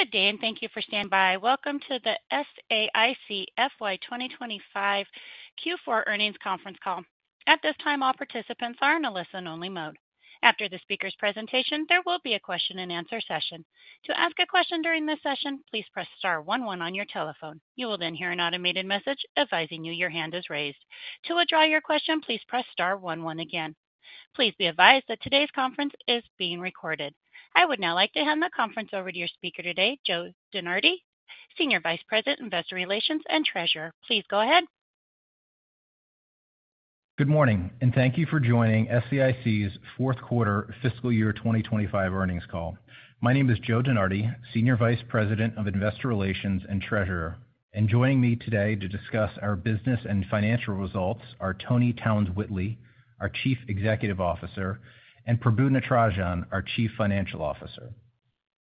Good day, and thank you for standing by. Welcome to the SAIC FY 2025 Q4 Earnings Conference Call. At this time, all participants are in a listen-only mode. After the speaker's presentation, there will be a question-and-answer session. To ask a question during this session, please press star one one on your telephone. You will then hear an automated message advising you your hand is raised. To withdraw your question, please press star one one again. Please be advised that today's conference is being recorded. I would now like to hand the conference over to your speaker today, Joe DeNardi, Senior Vice President, Investor Relations and Treasurer. Please go ahead. Good morning, and thank you for joining SAIC's fourth quarter fiscal year 2025 earnings call. My name is Joe DeNardi, Senior Vice President of Investor Relations and Treasurer, and joining me today to discuss our business and financial results are Toni Townes-Whitley, our Chief Executive Officer, and Prabu Natarajan, our Chief Financial Officer.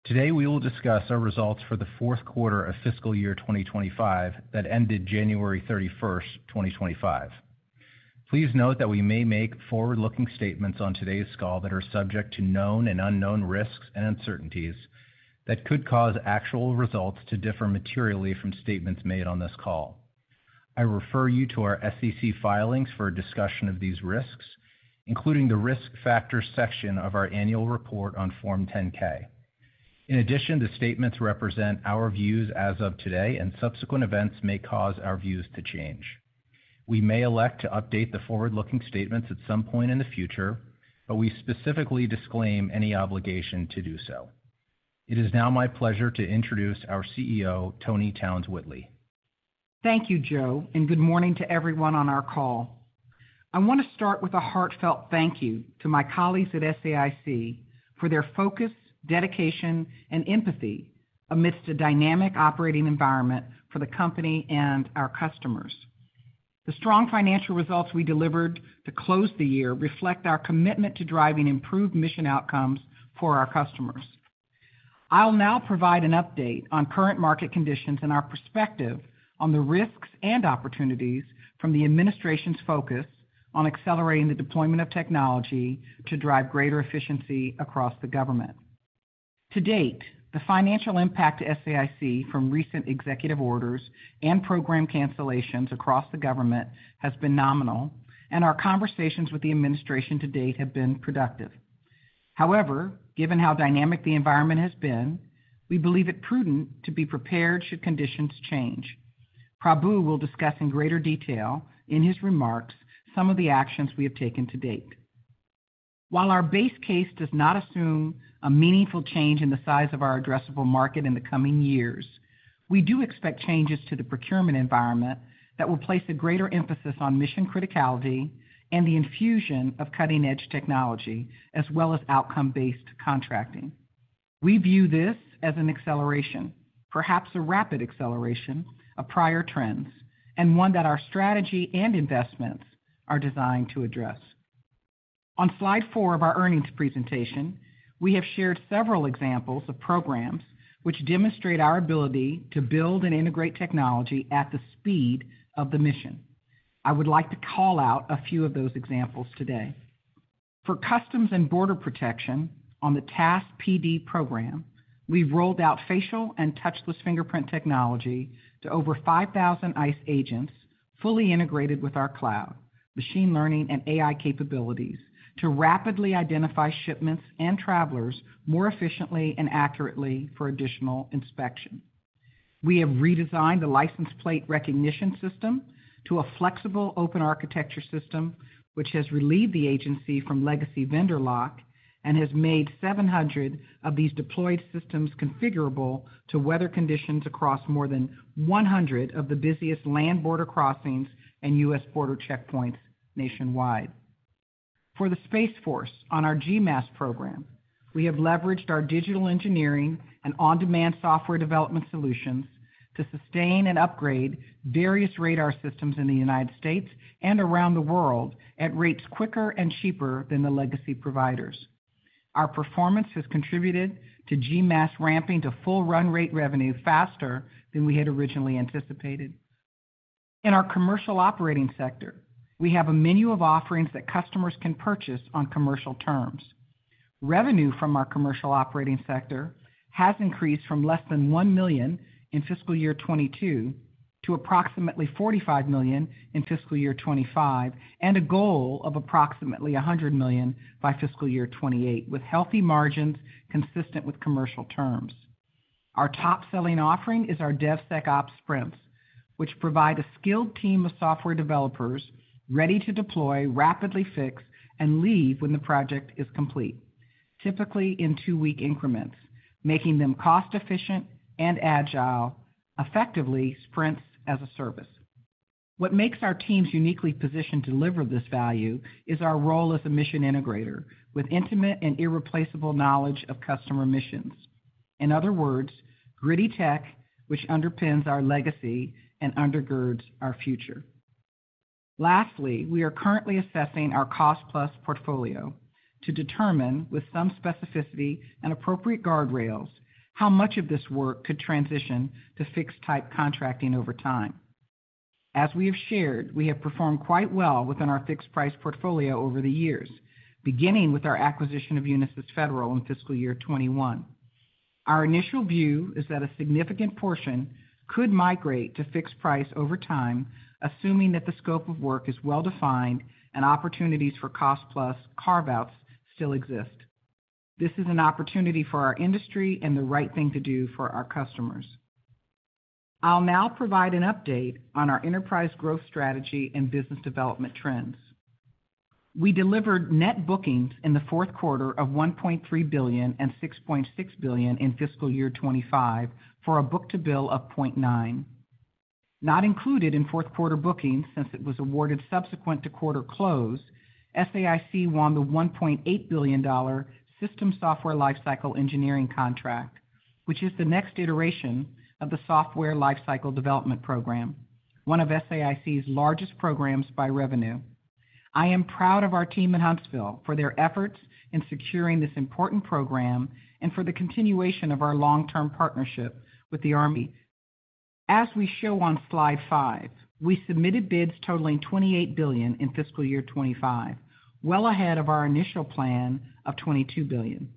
Today, we will discuss our results for the fourth quarter of fiscal year 2025 that ended January 31, 2025. Please note that we may make forward-looking statements on today's call that are subject to known and unknown risks and uncertainties that could cause actual results to differ materially from statements made on this call. I refer you to our SEC filings for a discussion of these risks, including the risk factor section of our annual report on Form 10-K. In addition, the statements represent our views as of today, and subsequent events may cause our views to change. We may elect to update the forward-looking statements at some point in the future, but we specifically disclaim any obligation to do so. It is now my pleasure to introduce our CEO, Toni Townes-Whitley. Thank you, Joe, and good morning to everyone on our call. I want to start with a heartfelt thank you to my colleagues at SAIC for their focus, dedication, and empathy amidst a dynamic operating environment for the company and our customers. The strong financial results we delivered to close the year reflect our commitment to driving improved mission outcomes for our customers. I'll now provide an update on current market conditions and our perspective on the risks and opportunities from the administration's focus on accelerating the deployment of technology to drive greater efficiency across the government. To date, the financial impact to SAIC from recent executive orders and program cancellations across the government has been nominal, and our conversations with the administration to date have been productive. However, given how dynamic the environment has been, we believe it prudent to be prepared should conditions change. Prabu will discuss in greater detail in his remarks some of the actions we have taken to date. While our base case does not assume a meaningful change in the size of our addressable market in the coming years, we do expect changes to the procurement environment that will place a greater emphasis on mission criticality and the infusion of cutting-edge technology as well as outcome-based contracting. We view this as an acceleration, perhaps a rapid acceleration of prior trends and one that our strategy and investments are designed to address. On slide four of our earnings presentation, we have shared several examples of programs which demonstrate our ability to build and integrate technology at the speed of the mission. I would like to call out a few of those examples today. For Customs and Border Protection on the TASPD program, we've rolled out facial and touchless fingerprint technology to over 5,000 ICE agents fully integrated with our cloud, machine learning, and AI capabilities to rapidly identify shipments and travelers more efficiently and accurately for additional inspection. We have redesigned the license plate recognition system to a flexible open architecture system, which has relieved the agency from legacy vendor lock and has made 700 of these deployed systems configurable to weather conditions across more than 100 of the busiest land border crossings and U.S. border checkpoints nationwide. For the Space Force on our GMASS program, we have leveraged our digital engineering and on-demand software development solutions to sustain and upgrade various radar systems in the United States and around the world at rates quicker and cheaper than the legacy providers. Our performance has contributed to GMASS ramping to full run rate revenue faster than we had originally anticipated. In our commercial operating sector, we have a menu of offerings that customers can purchase on commercial terms. Revenue from our commercial operating sector has increased from less than $1 million in fiscal year 2022 to approximately $45 million in fiscal year 2025 and a goal of approximately $100 million by fiscal year 2028 with healthy margins consistent with commercial terms. Our top selling offering is our DevSecOps Sprints, which provide a skilled team of software developers ready to deploy, rapidly fix, and leave when the project is complete, typically in two-week increments, making them cost-efficient and agile, effectively sprints as a service. What makes our teams uniquely positioned to deliver this value is our role as a mission integrator with intimate and irreplaceable knowledge of customer missions. In other words, gritty tech which underpins our legacy and undergirds our future. Lastly, we are currently assessing our cost-plus portfolio to determine, with some specificity and appropriate guardrails, how much of this work could transition to fixed-type contracting over time. As we have shared, we have performed quite well within our fixed-price portfolio over the years, beginning with our acquisition of Unisys Federal in fiscal year 2021. Our initial view is that a significant portion could migrate to fixed price over time, assuming that the scope of work is well-defined and opportunities for cost-plus carve-outs still exist. This is an opportunity for our industry and the right thing to do for our customers. I'll now provide an update on our enterprise growth strategy and business development trends. We delivered net bookings in the fourth quarter of $1.3 billion and $6.6 billion in fiscal year 2025 for a book-to-bill of 0.9. Not included in fourth quarter bookings since it was awarded subsequent to quarter close, SAIC won the $1.8 billion System Software Lifecycle Engineering contract, which is the next iteration of the software lifecycle development program, one of SAIC's largest programs by revenue. I am proud of our team in Huntsville for their efforts in securing this important program and for the continuation of our long-term partnership with the Army. As we show on slide five, we submitted bids totaling $28 billion in fiscal year 2025, well ahead of our initial plan of $22 billion.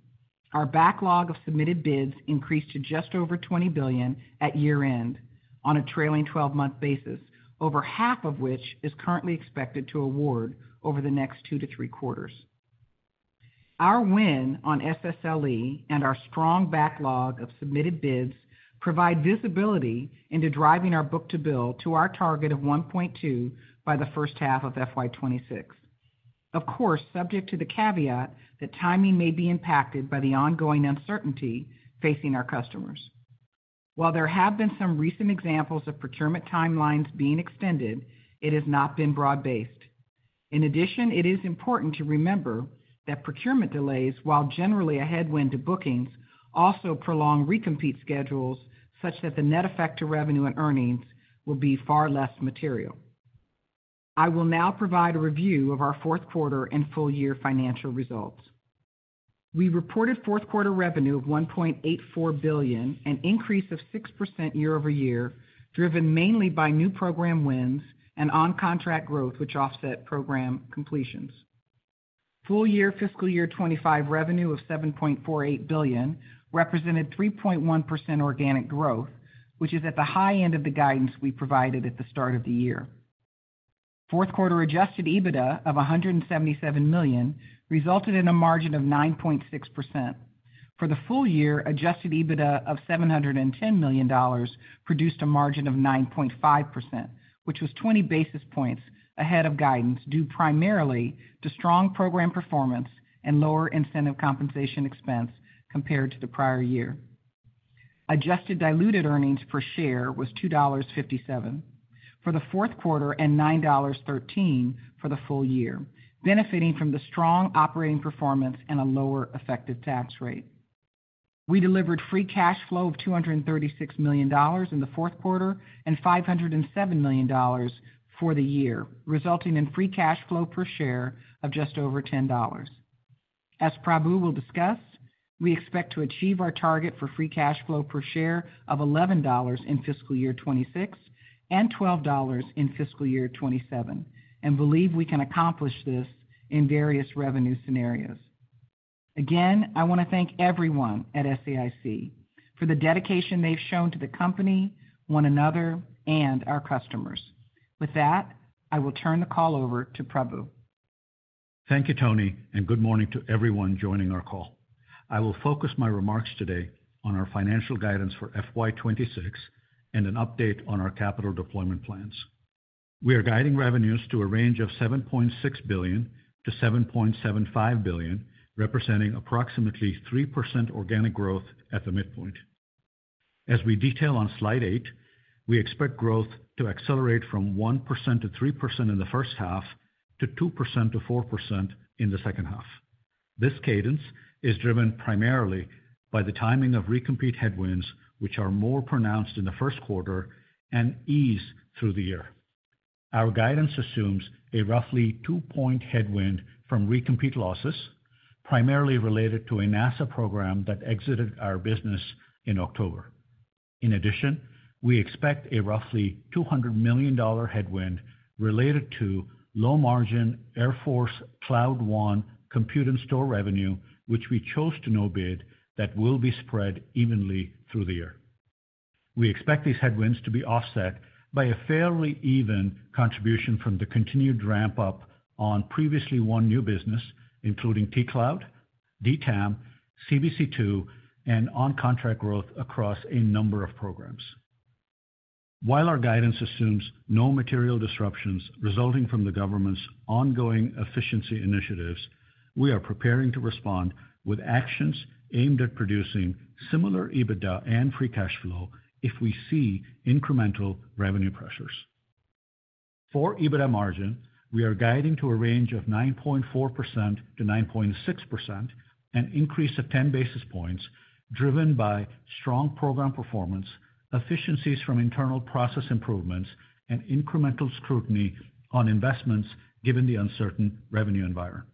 Our backlog of submitted bids increased to just over $20 billion at year-end on a trailing 12-month basis, over half of which is currently expected to award over the next two to three quarters. Our win on SSLE and our strong backlog of submitted bids provide visibility into driving our book-to-bill to our target of 1.2 by the first half of FY 2026, of course, subject to the caveat that timing may be impacted by the ongoing uncertainty facing our customers. While there have been some recent examples of procurement timelines being extended, it has not been broad-based. In addition, it is important to remember that procurement delays, while generally a headwind to bookings, also prolong recompete schedules such that the net effect to revenue and earnings will be far less material. I will now provide a review of our fourth quarter and full year financial results. We reported fourth quarter revenue of $1.84 billion, an increase of 6% year-over-year, driven mainly by new program wins and on-contract growth, which offset program completions. Full year fiscal year 2025 revenue of $7.48 billion represented 3.1% organic growth, which is at the high end of the guidance we provided at the start of the year. Fourth quarter adjusted EBITDA of $177 million resulted in a margin of 9.6%. For the full year, adjusted EBITDA of $710 million produced a margin of 9.5%, which was 20 basis points ahead of guidance due primarily to strong program performance and lower incentive compensation expense compared to the prior year. Adjusted diluted earnings per share was $2.57 for the fourth quarter and $9.13 for the full year, benefiting from the strong operating performance and a lower effective tax rate. We delivered free cash flow of $236 million in the fourth quarter and $507 million for the year, resulting in free cash flow per share of just over $10. As Prabu will discuss, we expect to achieve our target for free cash flow per share of $11 in fiscal year 2026 and $12 in fiscal year 2027, and believe we can accomplish this in various revenue scenarios. Again, I want to thank everyone at SAIC for the dedication they've shown to the company, one another, and our customers. With that, I will turn the call over to Prabu. Thank you, Toni, and good morning to everyone joining our call. I will focus my remarks today on our financial guidance for FY 2026 and an update on our capital deployment plans. We are guiding revenues to a range of $7.6 billion-$7.75 billion, representing approximately 3% organic growth at the midpoint. As we detail on slide eight, we expect growth to accelerate from 1%-3% in the first half to 2%-4% in the second half. This cadence is driven primarily by the timing of recompete headwinds, which are more pronounced in the first quarter and ease through the year. Our guidance assumes a roughly two-point headwind from recompete losses, primarily related to a NASA program that exited our business in October. In addition, we expect a roughly $200 million headwind related to low-margin Air Force Cloud One compute and store revenue, which we chose to no bid that will be spread evenly through the year. We expect these headwinds to be offset by a fairly even contribution from the continued ramp-up on previously won new business, including T-Cloud, DTAMM, CBC2, and on-contract growth across a number of programs. While our guidance assumes no material disruptions resulting from the government's ongoing efficiency initiatives, we are preparing to respond with actions aimed at producing similar EBITDA and free cash flow if we see incremental revenue pressures. For EBITDA margin, we are guiding to a range of 9.4%-9.6%, an increase of 10 basis points driven by strong program performance, efficiencies from internal process improvements, and incremental scrutiny on investments given the uncertain revenue environment.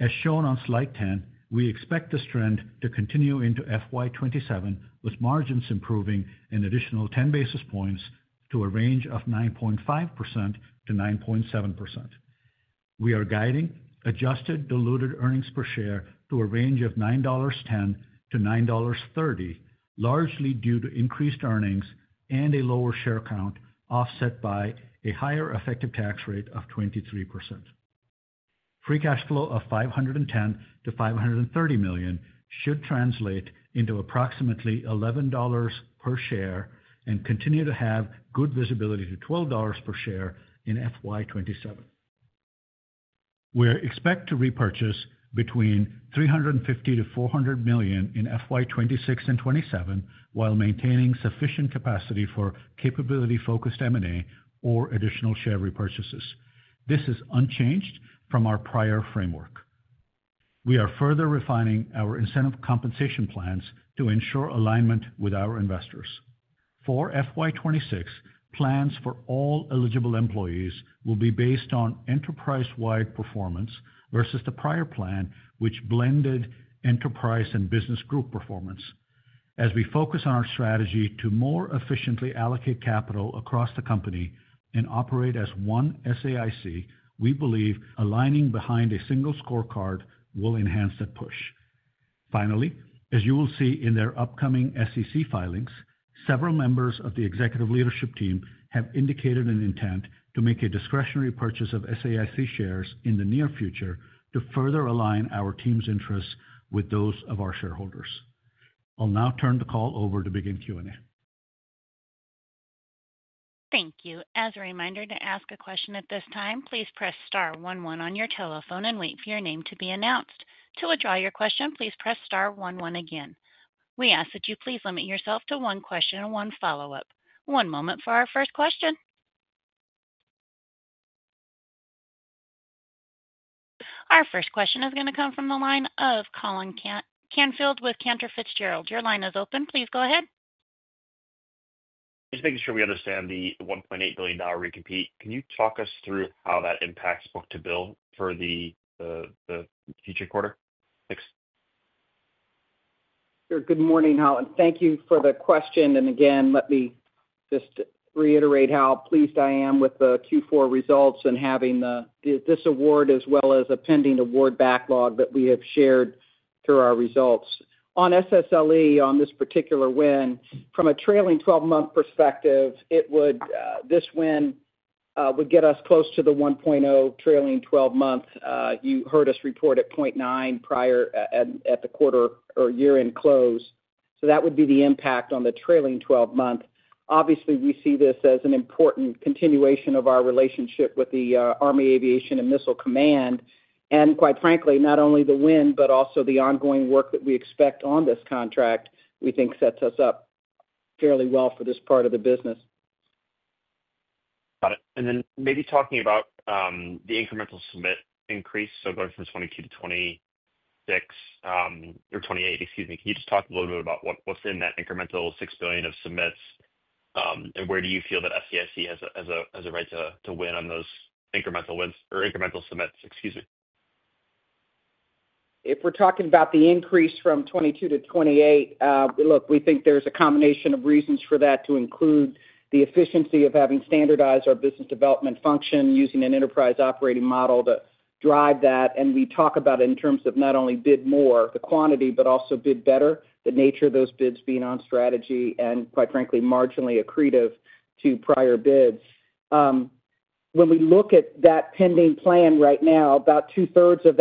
As shown on slide 10, we expect this trend to continue into FY 2027, with margins improving an additional 10 basis points to a range of 9.5%-9.7%. We are guiding adjusted diluted earnings per share to a range of $9.10-$9.30, largely due to increased earnings and a lower share count offset by a higher effective tax rate of 23%. Free cash flow of $510 million-$530 million should translate into approximately $11 per share and continue to have good visibility to $12 per share in FY 2027. We expect to repurchase between $350 million-$400 million in FY 2026 and 2027 while maintaining sufficient capacity for capability-focused M&A or additional share repurchases. This is unchanged from our prior framework. We are further refining our incentive compensation plans to ensure alignment with our investors. For FY 2026, plans for all eligible employees will be based on enterprise-wide performance versus the prior plan, which blended enterprise and business group performance. As we focus on our strategy to more efficiently allocate capital across the company and operate as one SAIC, we believe aligning behind a single scorecard will enhance that push. Finally, as you will see in their upcoming SEC filings, several members of the executive leadership team have indicated an intent to make a discretionary purchase of SAIC shares in the near future to further align our team's interests with those of our shareholders. I'll now turn the call over to begin Q&A. Thank you. As a reminder to ask a question at this time, please press star one one on your telephone and wait for your name to be announced. To withdraw your question, please press star one one again. We ask that you please limit yourself to one question and one follow-up. One moment for our first question. Our first question is going to come from the line of Colin Canfield with Cantor Fitzgerald. Your line is open. Please go ahead. Just making sure we understand the $1.8 billion recompete. Can you talk us through how that impacts book-to-bill for the future quarter? Thanks. Sure. Good morning, Colin. Thank you for the question. Let me just reiterate how pleased I am with the Q4 results and having this award as well as a pending award backlog that we have shared through our results. On SSLE, on this particular win, from a trailing 12-month perspective, this win would get us close to the 1.0 trailing 12-month. You heard us report at 0.9 prior at the quarter or year-end close. That would be the impact on the trailing 12-month. Obviously, we see this as an important continuation of our relationship with the Army Aviation and Missile Command. Quite frankly, not only the win, but also the ongoing work that we expect on this contract, we think sets us up fairly well for this part of the business. Got it. Maybe talking about the incremental submit increase, going from 22-26 or 28, excuse me, can you just talk a little bit about what's in that incremental $6 billion of submits and where do you feel that SAIC has a right to win on those incremental wins or incremental submits? Excuse me. If we're talking about the increase from 22-28, look, we think there's a combination of reasons for that to include the efficiency of having standardized our business development function using an enterprise operating model to drive that. We talk about it in terms of not only bid more, the quantity, but also bid better, the nature of those bids being on strategy and, quite frankly, marginally accretive to prior bids. When we look at that pending plan right now, about 2/3 of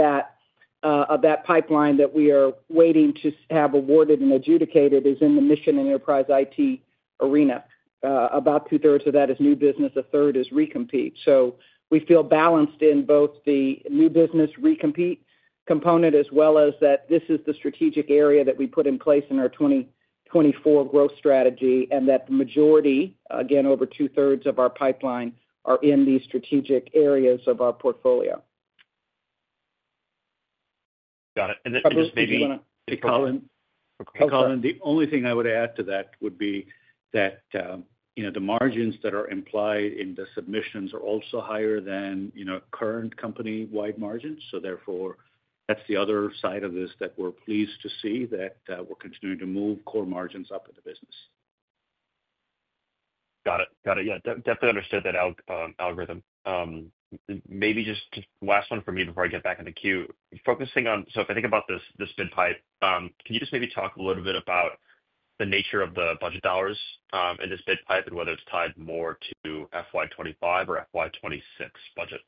that pipeline that we are waiting to have awarded and adjudicated is in the mission and enterprise IT arena. About 2/3 of that is new business. A third is recompete. We feel balanced in both the new business recompete component as well as that this is the strategic area that we put in place in our 2024 growth strategy and that the majority, again, over 2/3 of our pipeline are in these strategic areas of our portfolio. Got it. Maybe. I just want to. Hey, Colin. Okay. Colin, the only thing I would add to that would be that the margins that are implied in the submissions are also higher than current company-wide margins. Therefore, that's the other side of this that we're pleased to see that we're continuing to move core margins up in the business. Got it. Got it. Yeah. Definitely understood that algorithm. Maybe just last one for me before I get back into queue. Focusing on, so if I think about this bid pipe, can you just maybe talk a little bit about the nature of the budget dollars in this bid pipe and whether it's tied more to FY 2025 or FY 2026 budget?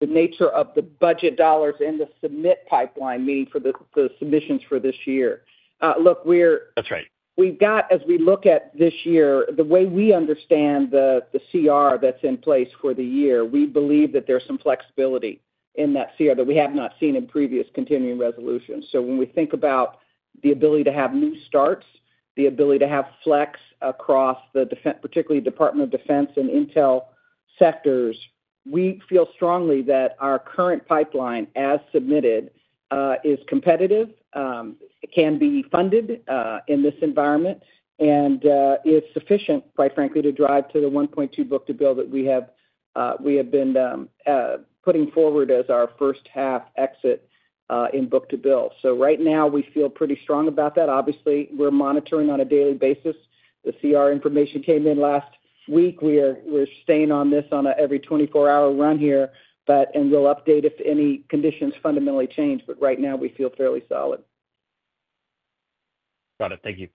The nature of the budget dollars in the submit pipeline, meaning for the submissions for this year. Look, we're. That's right. We've got, as we look at this year, the way we understand the CR that's in place for the year, we believe that there's some flexibility in that CR that we have not seen in previous continuing resolutions. When we think about the ability to have new starts, the ability to have flex across the, particularly Department of Defense and Intel sectors, we feel strongly that our current pipeline, as submitted, is competitive, can be funded in this environment, and is sufficient, quite frankly, to drive to the 1.2 book-to-bill that we have been putting forward as our first half exit in book-to-bill. Right now, we feel pretty strong about that. Obviously, we're monitoring on a daily basis. The CR information came in last week. We're staying on this on an every 24-hour run here, and we'll update if any conditions fundamentally change. Right now, we feel fairly solid. Got it. Thank you.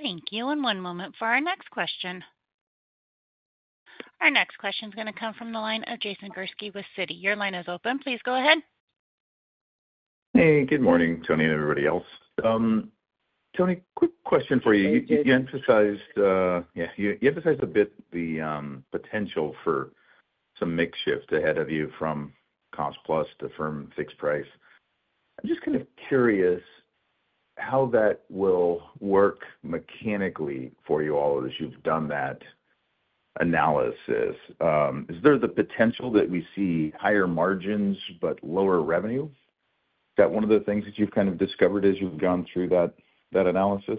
Thank you. One moment for our next question. Our next question is going to come from the line of Jason Gursky with Citi. Your line is open. Please go ahead. Hey, good morning, Toni and everybody else. Toni, quick question for you. You emphasized a bit the potential for some makeshift ahead of you from cost-plus to firm fixed price. I'm just kind of curious how that will work mechanically for you all as you've done that analysis. Is there the potential that we see higher margins but lower revenue? Is that one of the things that you've kind of discovered as you've gone through that analysis?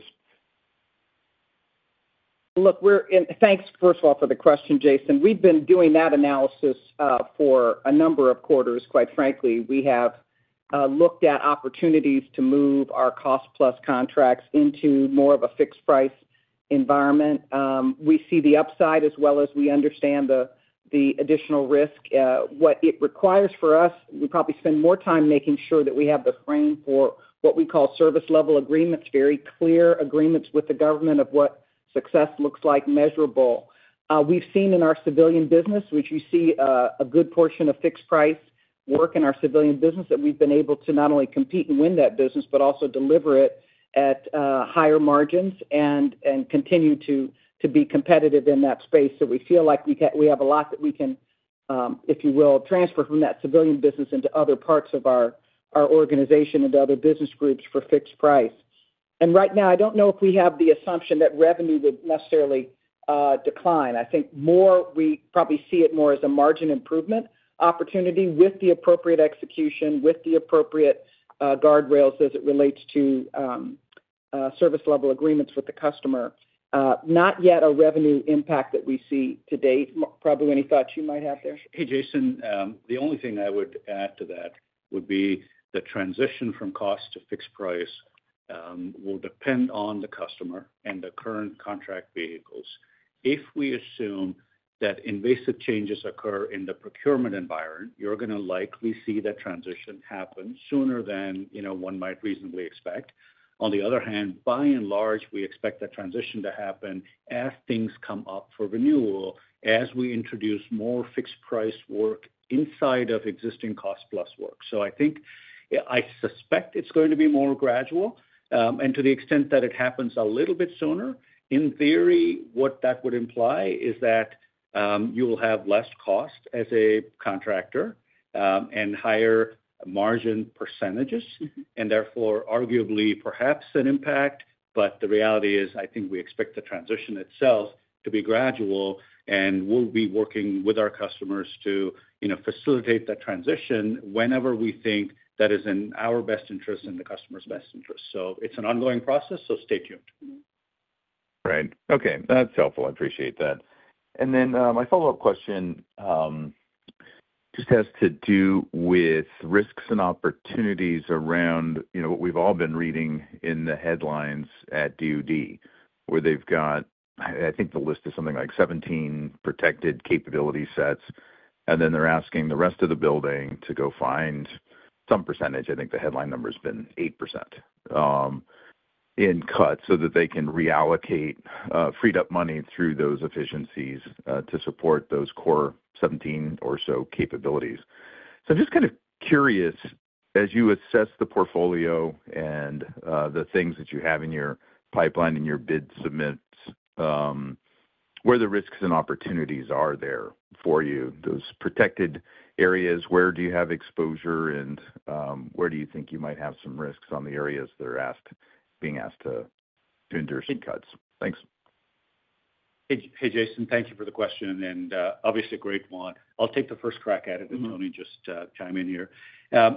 Look, thanks, first of all, for the question, Jason. We've been doing that analysis for a number of quarters, quite frankly. We have looked at opportunities to move our cost-plus contracts into more of a fixed price environment. We see the upside as well as we understand the additional risk. What it requires for us, we probably spend more time making sure that we have the frame for what we call service-level agreements, very clear agreements with the government of what success looks like measurable. We've seen in our civilian business, which you see a good portion of fixed price work in our civilian business, that we've been able to not only compete and win that business, but also deliver it at higher margins and continue to be competitive in that space. We feel like we have a lot that we can, if you will, transfer from that civilian business into other parts of our organization and other business groups for fixed price. Right now, I don't know if we have the assumption that revenue would necessarily decline. I think we probably see it more as a margin improvement opportunity with the appropriate execution, with the appropriate guardrails as it relates to service-level agreements with the customer. Not yet a revenue impact that we see to date. Probably any thoughts you might have there? Hey, Jason. The only thing I would add to that would be the transition from cost to fixed price will depend on the customer and the current contract vehicles. If we assume that invasive changes occur in the procurement environment, you're going to likely see that transition happen sooner than one might reasonably expect. On the other hand, by and large, we expect that transition to happen as things come up for renewal as we introduce more fixed price work inside of existing cost-plus work. I suspect it's going to be more gradual. To the extent that it happens a little bit sooner, in theory, what that would imply is that you will have less cost as a contractor and higher margin percentages, and therefore, arguably, perhaps an impact. The reality is, I think we expect the transition itself to be gradual, and we'll be working with our customers to facilitate that transition whenever we think that is in our best interest and the customer's best interest. It is an ongoing process, so stay tuned. Right. Okay. That's helpful. I appreciate that. My follow-up question just has to do with risks and opportunities around what we've all been reading in the headlines at DoD, where they've got, I think the list is something like 17 protected capability sets, and then they're asking the rest of the building to go find some percentage. I think the headline number has been 8% in cuts so that they can reallocate freed-up money through those efficiencies to support those core 17 or so capabilities. I'm just kind of curious, as you assess the portfolio and the things that you have in your pipeline, in your bid submits, where the risks and opportunities are there for you, those protected areas, where do you have exposure, and where do you think you might have some risks on the areas that are being asked to endure some cuts? Thanks. Hey, Jason. Thank you for the question. Obviously, a great one. I'll take the first crack at it, and Toni, just chime in here.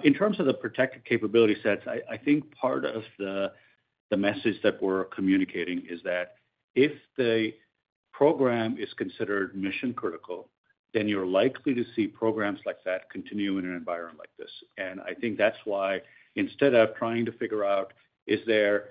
In terms of the protected capability sets, I think part of the message that we're communicating is that if the program is considered mission-critical, then you're likely to see programs like that continue in an environment like this. I think that's why, instead of trying to figure out, is there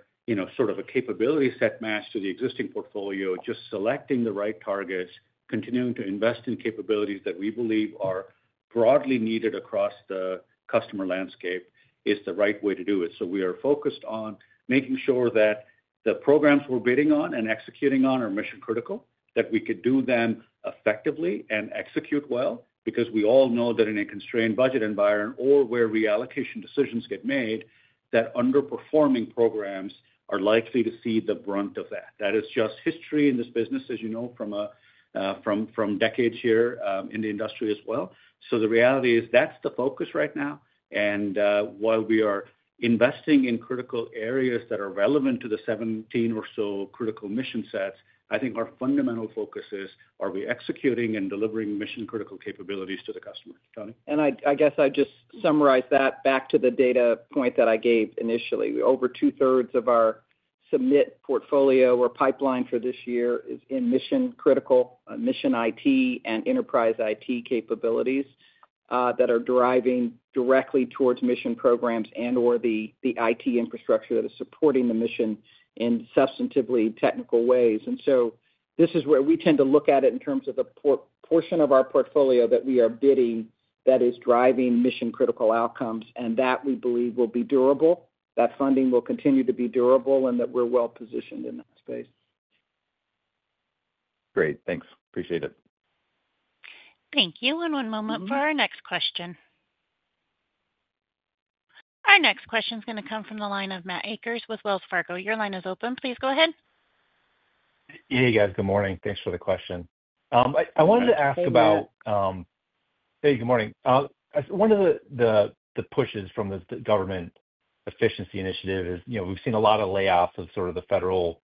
sort of a capability set match to the existing portfolio, just selecting the right targets, continuing to invest in capabilities that we believe are broadly needed across the customer landscape is the right way to do it. We are focused on making sure that the programs we're bidding on and executing on are mission-critical, that we could do them effectively and execute well, because we all know that in a constrained budget environment or where reallocation decisions get made, that underperforming programs are likely to see the brunt of that. That is just history in this business, as you know, from decades here in the industry as well. The reality is that's the focus right now. While we are investing in critical areas that are relevant to the 17 or so critical mission sets, I think our fundamental focus is, are we executing and delivering mission-critical capabilities to the customer? Toni? I guess I'd just summarize that back to the data point that I gave initially. Over 2/3 of our submit portfolio or pipeline for this year is in mission-critical, mission IT and enterprise IT capabilities that are driving directly towards mission programs and/or the IT infrastructure that is supporting the mission in substantively technical ways. This is where we tend to look at it in terms of the portion of our portfolio that we are bidding that is driving mission-critical outcomes, and that we believe will be durable, that funding will continue to be durable, and that we're well-positioned in that space. Great. Thanks. Appreciate it. Thank you. One moment for our next question. Our next question is going to come from the line of Matt Akers with Wells Fargo. Your line is open. Please go ahead. Hey, guys. Good morning. Thanks for the question. I wanted to ask about. Thank you. Hey, good morning. One of the pushes from the government efficiency initiative is we've seen a lot of layoffs of sort of the federal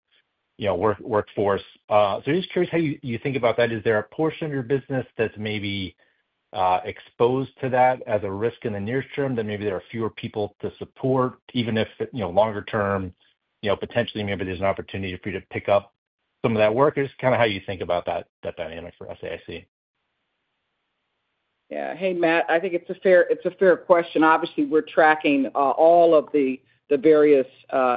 workforce. I'm just curious how you think about that. Is there a portion of your business that's maybe exposed to that as a risk in the near term that maybe there are fewer people to support, even if longer-term, potentially, maybe there's an opportunity for you to pick up some of that work? Just kind of how you think about that dynamic for SAIC. Yeah. Hey, Matt. I think it's a fair question. Obviously, we're tracking all of the various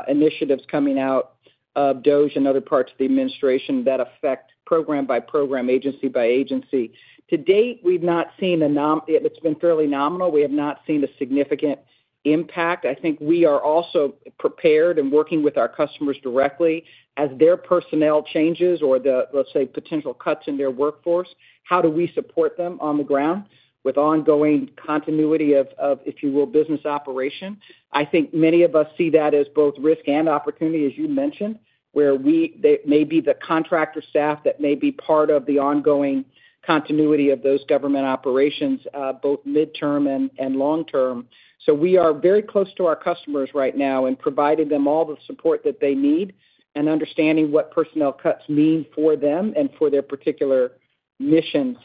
initiatives coming out of the Department of Government Efficiency and other parts of the administration that affect program by program, agency by agency. To date, we've not seen a—it's been fairly nominal. We have not seen a significant impact. I think we are also prepared and working with our customers directly as their personnel changes or, let's say, potential cuts in their workforce. How do we support them on the ground with ongoing continuity of, if you will, business operation? I think many of us see that as both risk and opportunity, as you mentioned, where there may be the contractor staff that may be part of the ongoing continuity of those government operations, both midterm and long-term. We are very close to our customers right now in providing them all the support that they need and understanding what personnel cuts mean for them and for their particular missions.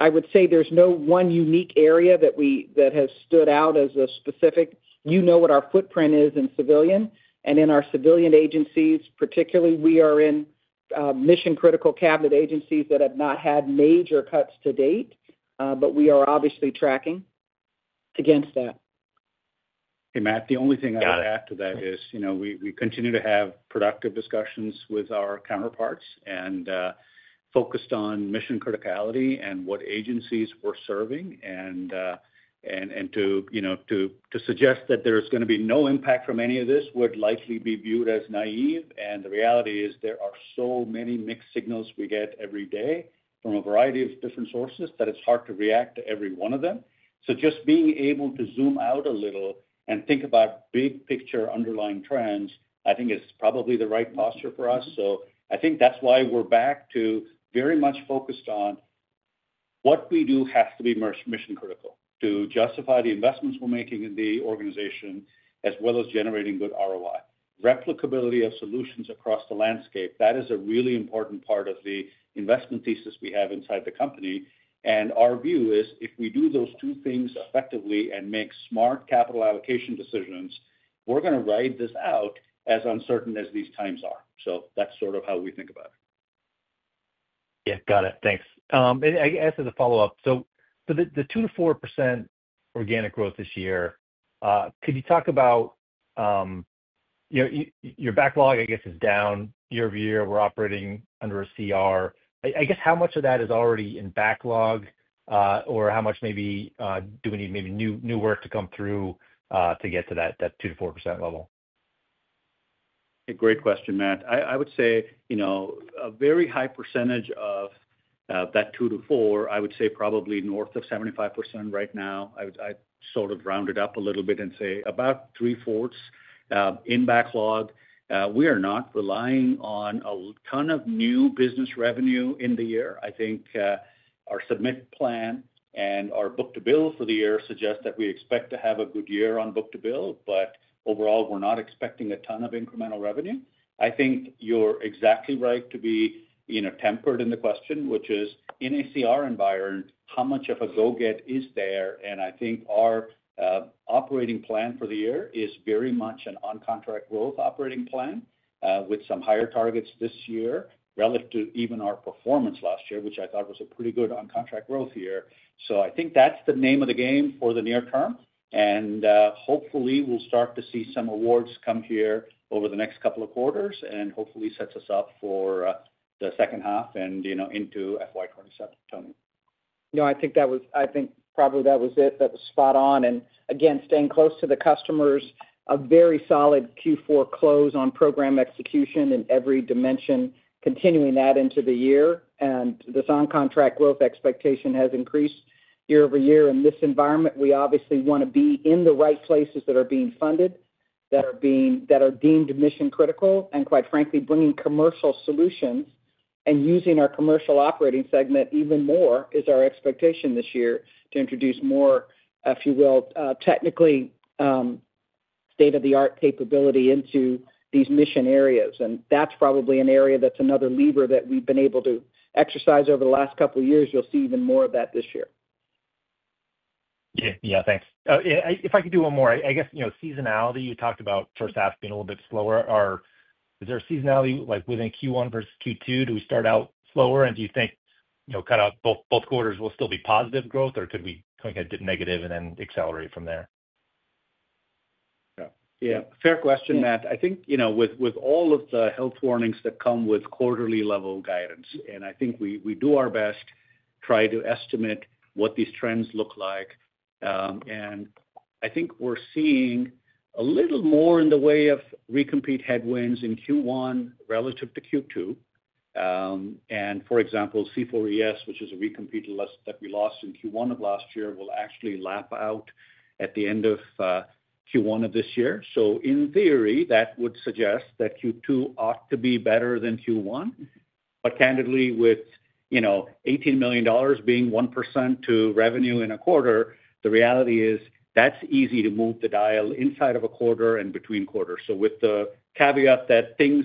I would say there is no one unique area that has stood out as a specific—you know what our footprint is in civilian. In our civilian agencies, particularly, we are in mission-critical cabinet agencies that have not had major cuts to date, but we are obviously tracking against that. Hey, Matt. The only thing I would add to that is we continue to have productive discussions with our counterparts and focused on mission criticality and what agencies we're serving. To suggest that there's going to be no impact from any of this would likely be viewed as naive. The reality is there are so many mixed signals we get every day from a variety of different sources that it's hard to react to every one of them. Just being able to zoom out a little and think about big picture underlying trends, I think, is probably the right posture for us. I think that's why we're back to very much focused on what we do has to be mission-critical to justify the investments we're making in the organization as well as generating good ROI. Replicability of solutions across the landscape, that is a really important part of the investment thesis we have inside the company. Our view is if we do those two things effectively and make smart capital allocation decisions, we're going to ride this out as uncertain as these times are. That is sort of how we think about it. Yeah. Got it. Thanks. I guess as a follow-up, the 2%-4% organic growth this year, could you talk about your backlog, I guess, is down year-over-year. We're operating under a CR. I guess how much of that is already in backlog, or how much maybe do we need maybe new work to come through to get to that 2%-4% level? A great question, Matt. I would say a very high percentage of that 2%-4%, I would say probably north of 75% right now. I'd sort of round it up a little bit and say about 3/4 in backlog. We are not relying on a ton of new business revenue in the year. I think our submit plan and our book-to-bill for the year suggest that we expect to have a good year on book-to-bill, but overall, we're not expecting a ton of incremental revenue. I think you're exactly right to be tempered in the question, which is in a CR environment, how much of a go-get is there? I think our operating plan for the year is very much an on-contract growth operating plan with some higher targets this year relative to even our performance last year, which I thought was a pretty good on-contract growth year. I think that's the name of the game for the near term. Hopefully, we'll start to see some awards come here over the next couple of quarters and hopefully set us up for the second half and into FY 2027. Toni? No, I think that was—I think probably that was it. That was spot on. Again, staying close to the customers, a very solid Q4 close on program execution in every dimension, continuing that into the year. This on-contract growth expectation has increased year-over-year. In this environment, we obviously want to be in the right places that are being funded, that are deemed mission-critical, and quite frankly, bringing commercial solutions and using our commercial operating segment even more is our expectation this year to introduce more, if you will, technically state-of-the-art capability into these mission areas. That is probably an area that is another lever that we have been able to exercise over the last couple of years. You will see even more of that this year. Yeah. Thanks. If I could do one more, I guess seasonality. You talked about first half being a little bit slower. Is there a seasonality within Q1 versus Q2? Do we start out slower, and do you think both quarters will still be positive growth, or could we go ahead and dip negative and then accelerate from there? Yeah. Fair question, Matt. I think with all of the health warnings that come with quarterly level guidance, and I think we do our best, try to estimate what these trends look like. I think we're seeing a little more in the way of recompete headwinds in Q1 relative to Q2. For example, C4ES, which is a recompete that we lost in Q1 of last year, will actually lap out at the end of Q1 of this year. In theory, that would suggest that Q2 ought to be better than Q1. Candidly, with $18 million being 1% to revenue in a quarter, the reality is that's easy to move the dial inside of a quarter and between quarters. With the caveat that things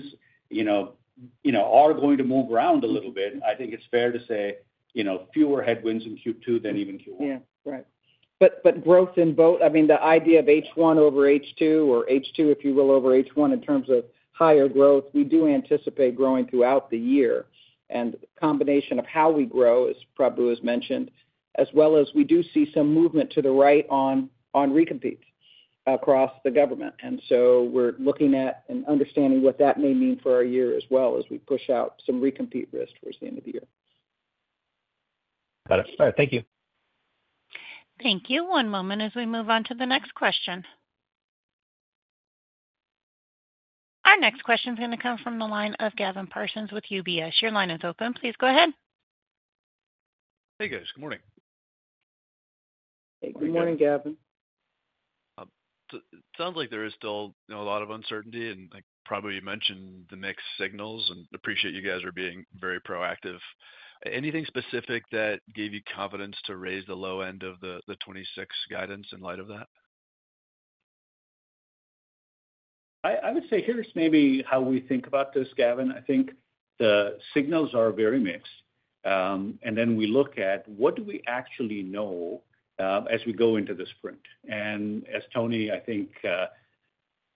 are going to move around a little bit, I think it's fair to say fewer headwinds in Q2 than even Q1. Yeah. Right. Growth in both—I mean, the idea of H1 over H2 or H2, if you will, over H1 in terms of higher growth, we do anticipate growing throughout the year. The combination of how we grow is probably, as mentioned, as well as we do see some movement to the right on recompetes across the government. We are looking at and understanding what that may mean for our year as well as we push out some recompete risk towards the end of the year. Got it. All right. Thank you. Thank you. One moment as we move on to the next question. Our next question is going to come from the line of Gavin Parsons with UBS. Your line is open. Please go ahead. Hey, guys. Good morning. Hey. Good morning, Gavin. It sounds like there is still a lot of uncertainty. I probably mentioned the mixed signals and appreciate you guys are being very proactive. Anything specific that gave you confidence to raise the low end of the 2026 guidance in light of that? I would say here's maybe how we think about this, Gavin. I think the signals are very mixed. We look at what do we actually know as we go into this sprint. As Toni, I think,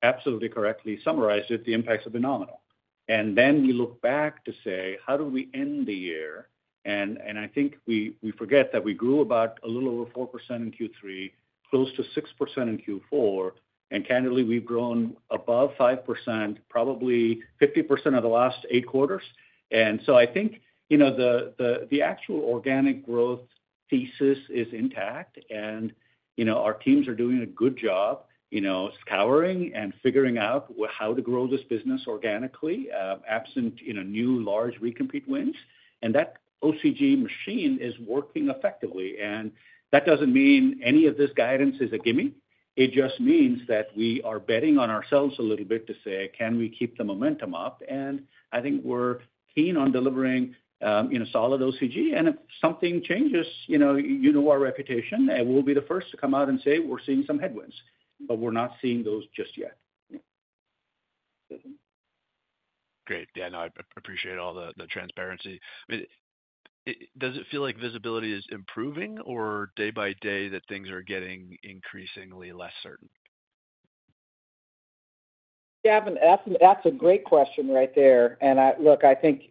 absolutely correctly summarized it, the impacts have been nominal. We look back to say, how do we end the year? I think we forget that we grew about a little over 4% in Q3, close to 6% in Q4. Candidly, we've grown above 5%, probably 50% of the last eight quarters. I think the actual organic growth thesis is intact. Our teams are doing a good job scouring and figuring out how to grow this business organically absent new large recompete wins. That OCG machine is working effectively. That doesn't mean any of this guidance is a gimmick. It just means that we are betting on ourselves a little bit to say, can we keep the momentum up? I think we're keen on delivering solid OCG. If something changes, you know our reputation, and we'll be the first to come out and say, we're seeing some headwinds, but we're not seeing those just yet. Great. Yeah. No, I appreciate all the transparency. Does it feel like visibility is improving or day by day that things are getting increasingly less certain? Gavin, that's a great question right there. I think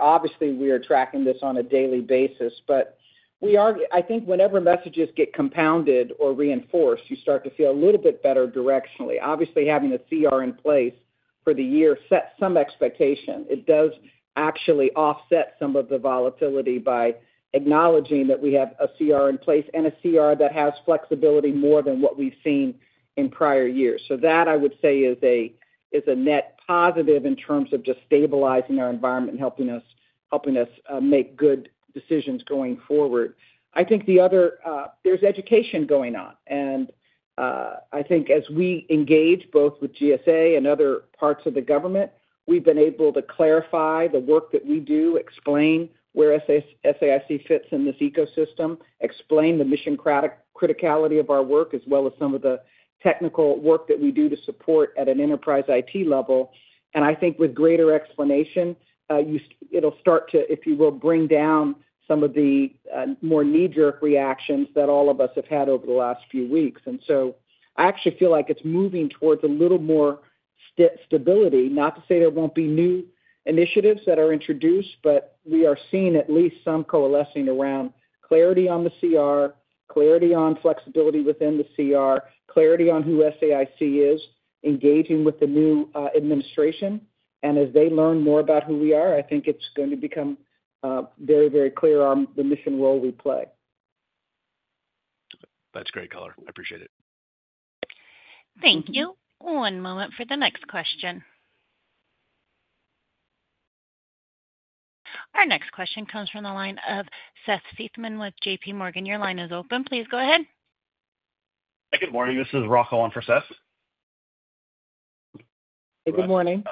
obviously we are tracking this on a daily basis, but I think whenever messages get compounded or reinforced, you start to feel a little bit better directionally. Obviously, having a CR in place for the year sets some expectation. It does actually offset some of the volatility by acknowledging that we have a CR in place and a CR that has flexibility more than what we've seen in prior years. That, I would say, is a net positive in terms of just stabilizing our environment and helping us make good decisions going forward. I think there's education going on. I think as we engage both with GSA and other parts of the government, we've been able to clarify the work that we do, explain where SAIC fits in this ecosystem, explain the mission criticality of our work, as well as some of the technical work that we do to support at an enterprise IT level. I think with greater explanation, it'll start to, if you will, bring down some of the more knee-jerk reactions that all of us have had over the last few weeks. I actually feel like it's moving towards a little more stability. Not to say there won't be new initiatives that are introduced, but we are seeing at least some coalescing around clarity on the CR, clarity on flexibility within the CR, clarity on who SAIC is, engaging with the new administration. As they learn more about who we are, I think it's going to become very, very clear the mission role we play. That's great, color. I appreciate it. Thank you. One moment for the next question. Our next question comes from the line of Seth Seifman with JPMorgan Chase & Co. Your line is open. Please go ahead. Hi. Good morning. This is Rocco on for Seth. Hey. Good morning.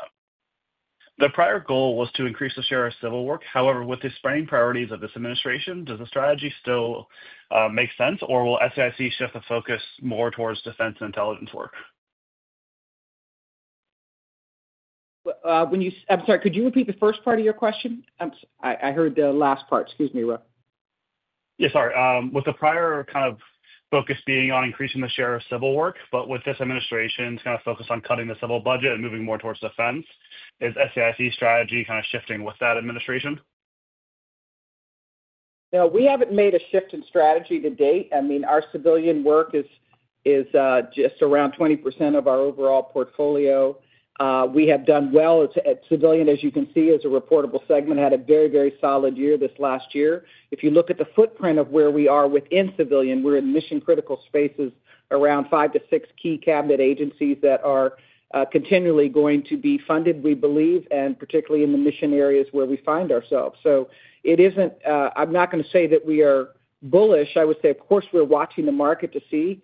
The prior goal was to increase the share of civil work. However, with the spring priorities of this administration, does the strategy still make sense, or will SAIC shift the focus more towards defense and intelligence work? I'm sorry. Could you repeat the first part of your question? I heard the last part. Excuse me, Rocco. Yeah. Sorry. With the prior kind of focus being on increasing the share of civil work, but with this administration, it's kind of focused on cutting the civil budget and moving more towards defense. Is SAIC's strategy kind of shifting with that administration? No. We haven't made a shift in strategy to date. I mean, our civilian work is just around 20% of our overall portfolio. We have done well. Civilian, as you can see, is a reportable segment, had a very, very solid year this last year. If you look at the footprint of where we are within civilian, we're in mission-critical spaces around five to six key cabinet agencies that are continually going to be funded, we believe, and particularly in the mission areas where we find ourselves. I am not going to say that we are bullish. I would say, of course, we're watching the market to see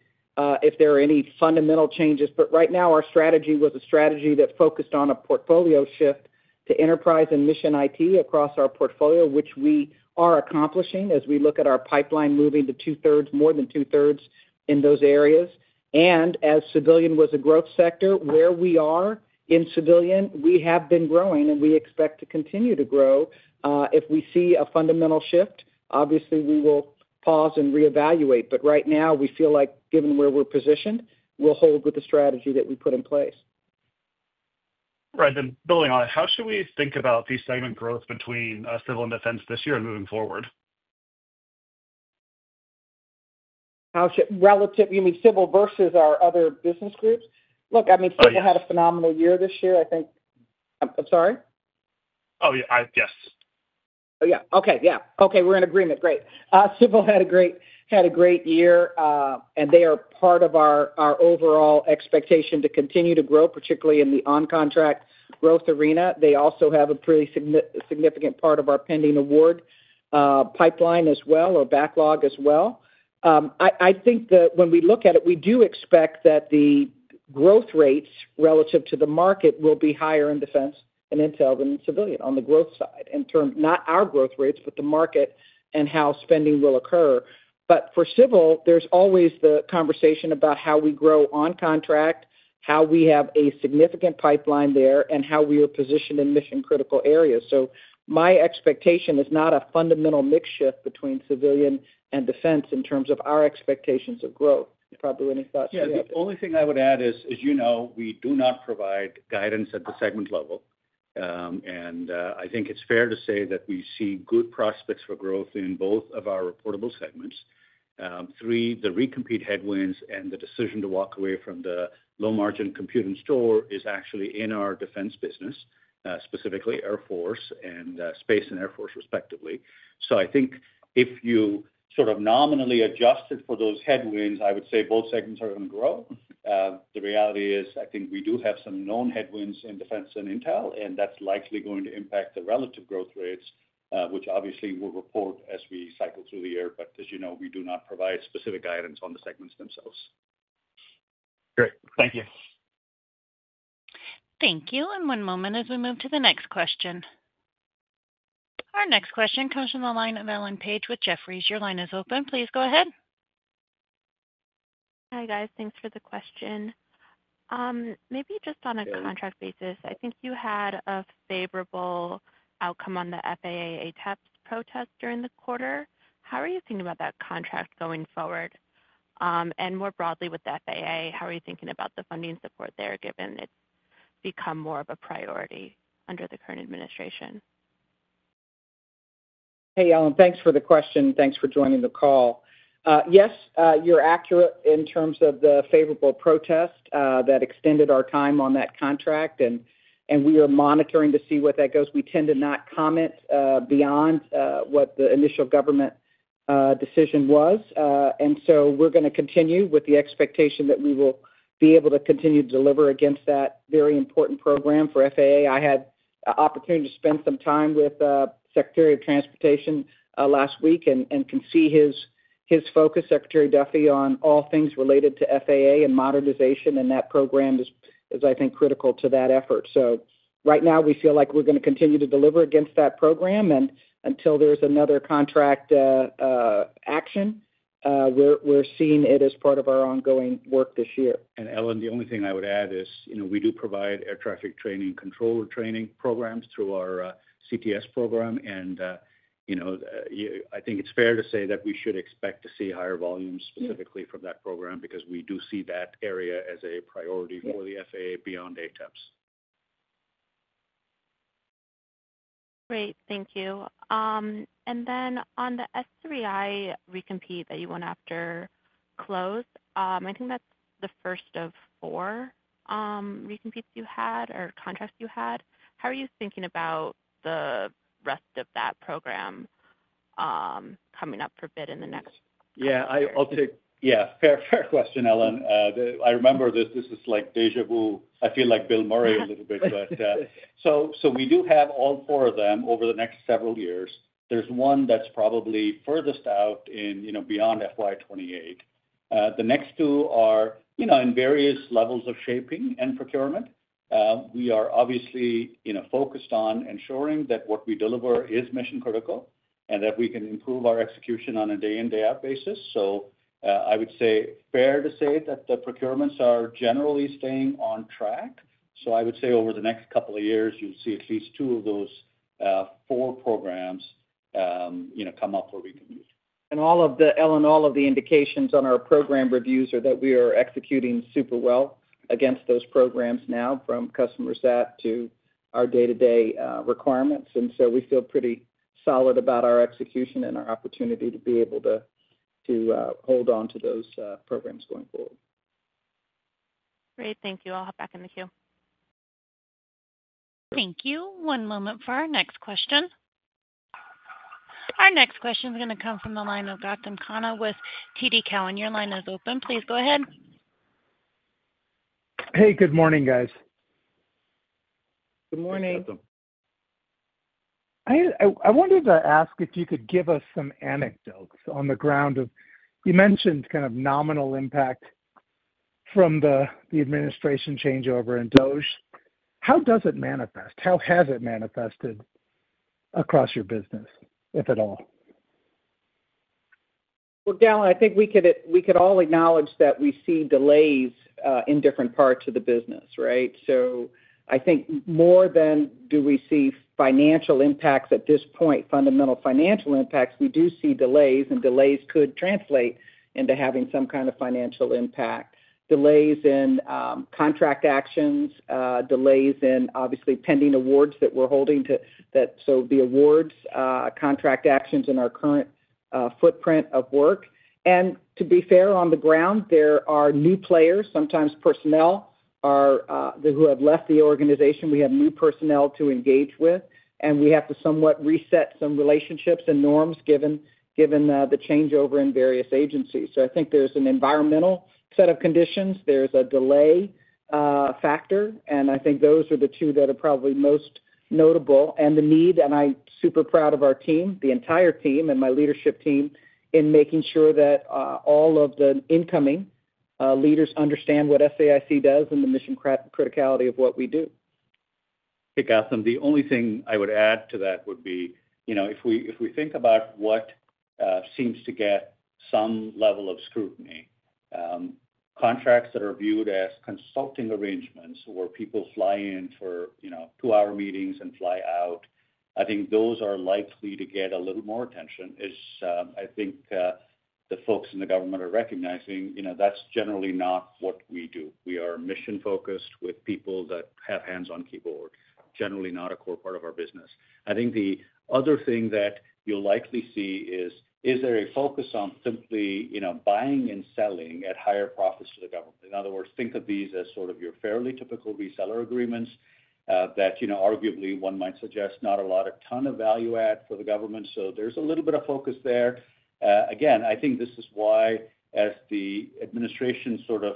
if there are any fundamental changes. Right now, our strategy was a strategy that focused on a portfolio shift to enterprise and mission IT across our portfolio, which we are accomplishing as we look at our pipeline moving to 2/3, more than 2/3 in those areas. As civilian was a growth sector, where we are in civilian, we have been growing, and we expect to continue to grow. If we see a fundamental shift, obviously, we will pause and reevaluate. Right now, we feel like given where we're positioned, we'll hold with the strategy that we put in place. Right. Building on it, how should we think about the segment growth between civil and defense this year and moving forward? Relative, you mean civil versus our other business groups? Look, I mean, civil had a phenomenal year this year. I think, I'm sorry? Oh, yes. Oh, yeah. Okay. Yeah. Okay. We're in agreement. Great. Civil had a great year, and they are part of our overall expectation to continue to grow, particularly in the on-contract growth arena. They also have a pretty significant part of our pending award pipeline as well or backlog as well. I think that when we look at it, we do expect that the growth rates relative to the market will be higher in defense and intel than civilian on the growth side. Not our growth rates, but the market and how spending will occur. For civil, there's always the conversation about how we grow on contract, how we have a significant pipeline there, and how we are positioned in mission-critical areas. My expectation is not a fundamental mixture between civilian and defense in terms of our expectations of growth. Probably any thoughts you have? Yeah. The only thing I would add is, as you know, we do not provide guidance at the segment level. I think it's fair to say that we see good prospects for growth in both of our reportable segments. Three, the recompete headwinds and the decision to walk away from the low-margin compute and store is actually in our defense business, specifically Air Force and Space and Air Force respectively. I think if you sort of nominally adjusted for those headwinds, I would say both segments are going to grow. The reality is I think we do have some known headwinds in defense and intel, and that's likely going to impact the relative growth rates, which obviously we'll report as we cycle through the year. As you know, we do not provide specific guidance on the segments themselves. Great. Thank you. Thank you. One moment as we move to the next question. Our next question comes from the line of Ellen Page with Jefferies. Your line is open. Please go ahead. Hi, guys. Thanks for the question. Maybe just on a contract basis, I think you had a favorable outcome on the FAA ATEPS protest during the quarter. How are you thinking about that contract going forward? More broadly, with the FAA, how are you thinking about the funding support there given it's become more of a priority under the current administration? Hey, Ellen. Thanks for the question. Thanks for joining the call. Yes, you're accurate in terms of the favorable protest that extended our time on that contract. We are monitoring to see where that goes. We tend to not comment beyond what the initial government decision was. We are going to continue with the expectation that we will be able to continue to deliver against that very important program for FAA. I had the opportunity to spend some time with Secretary of Transportation last week and can see his focus, Secretary Duffy, on all things related to FAA and modernization. That program is, I think, critical to that effort. Right now, we feel like we're going to continue to deliver against that program. Until there's another contract action, we're seeing it as part of our ongoing work this year. Ellen, the only thing I would add is we do provide air traffic training controller training programs through our CTS program. I think it's fair to say that we should expect to see higher volumes specifically from that program because we do see that area as a priority for the FAA beyond ATEPS. Great. Thank you. On the S3I recompete that you went after close, I think that's the first of four recompetes you had or contracts you had. How are you thinking about the rest of that program coming up for bid in the next? Yeah. I'll take—yeah. Fair question, Ellen. I remember this. This is like déjà vu. I feel like Bill Murray a little bit. We do have all four of them over the next several years. There's one that's probably furthest out in beyond FY 2028. The next two are in various levels of shaping and procurement. We are obviously focused on ensuring that what we deliver is mission-critical and that we can improve our execution on a day-in and day-out basis. I would say fair to say that the procurements are generally staying on track. I would say over the next couple of years, you'll see at least two of those four programs come up where we can meet. Ellen, all of the indications on our program reviews are that we are executing super well against those programs now from customer set to our day-to-day requirements. We feel pretty solid about our execution and our opportunity to be able to hold on to those programs going forward. Great. Thank you. I'll hop back in the queue. Thank you. One moment for our next question. Our next question is going to come from the line of Gautam Khanna with TD Cowen. And your line is open. Please go ahead. Hey. Good morning, guys. Good morning. I wanted to ask if you could give us some anecdotes on the ground of you mentioned kind of nominal impact from the administration changeover in the Department of Government Efficiency. How does it manifest? How has it manifested across your business, if at all? Gautam I think we could all acknowledge that we see delays in different parts of the business, right? I think more than do we see financial impacts at this point, fundamental financial impacts, we do see delays. Delays could translate into having some kind of financial impact. Delays in contract actions, delays in obviously pending awards that we're holding to—the awards, contract actions in our current footprint of work. To be fair, on the ground, there are new players, sometimes personnel who have left the organization. We have new personnel to engage with. We have to somewhat reset some relationships and norms given the changeover in various agencies. I think there's an environmental set of conditions. There's a delay factor. I think those are the two that are probably most notable. The need—and I'm super proud of our team, the entire team and my leadership team in making sure that all of the incoming leaders understand what SAIC does and the mission criticality of what we do. Hey, Gautam. The only thing I would add to that would be if we think about what seems to get some level of scrutiny, contracts that are viewed as consulting arrangements where people fly in for two-hour meetings and fly out, I think those are likely to get a little more attention. I think the folks in the government are recognizing that's generally not what we do. We are mission-focused with people that have hands on keyboard, generally not a core part of our business. I think the other thing that you'll likely see is, is there a focus on simply buying and selling at higher profits to the government? In other words, think of these as sort of your fairly typical reseller agreements that arguably one might suggest not a lot of ton of value-add for the government. There is a little bit of focus there. Again, I think this is why as the administration's sort of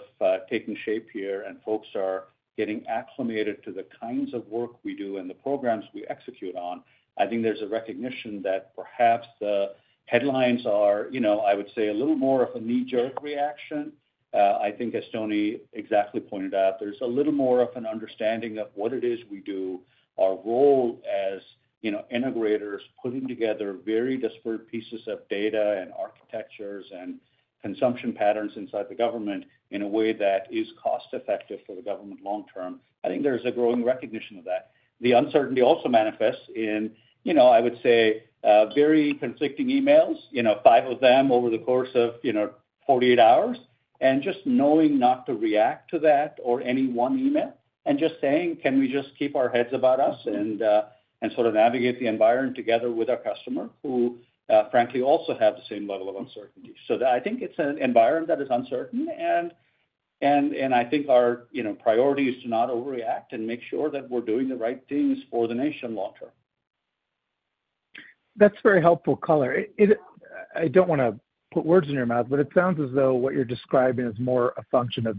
taking shape here and folks are getting acclimated to the kinds of work we do and the programs we execute on, I think there's a recognition that perhaps the headlines are, I would say, a little more of a knee-jerk reaction. I think as Toni exactly pointed out, there's a little more of an understanding of what it is we do, our role as integrators putting together very disparate pieces of data and architectures and consumption patterns inside the government in a way that is cost-effective for the government long-term. I think there's a growing recognition of that. The uncertainty also manifests in, I would say, very conflicting emails, five of them over the course of 48 hours, and just knowing not to react to that or any one email and just saying, "Can we just keep our heads about us and sort of navigate the environment together with our customer who frankly also have the same level of uncertainty?" I think it's an environment that is uncertain. I think our priority is to not overreact and make sure that we're doing the right things for the nation long-term. That's very helpful color. I don't want to put words in your mouth, but it sounds as though what you're describing is more a function of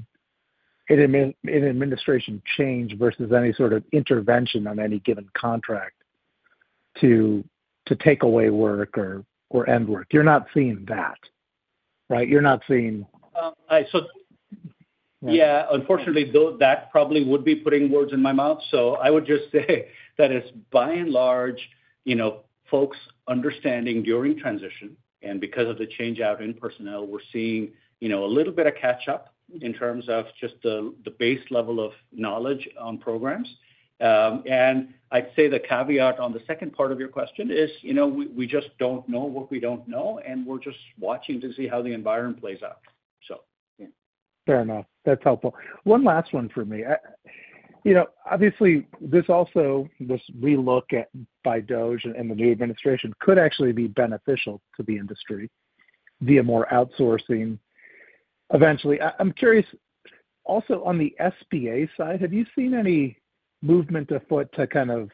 an administration change versus any sort of intervention on any given contract to take away work or end work. You're not seeing that, right? You're not seeing. Yeah, unfortunately, that probably would be putting words in my mouth. I would just say that it's by and large folks understanding during transition. Because of the change out in personnel, we're seeing a little bit of catch-up in terms of just the base level of knowledge on programs. I'd say the caveat on the second part of your question is we just don't know what we don't know, and we're just watching to see how the environment plays out. Fair enough. That's helpful. One last one for me. Obviously, this also was we look at by DOGE and the new administration could actually be beneficial to the industry via more outsourcing eventually. I'm curious also on the SBA side, have you seen any movement afoot to kind of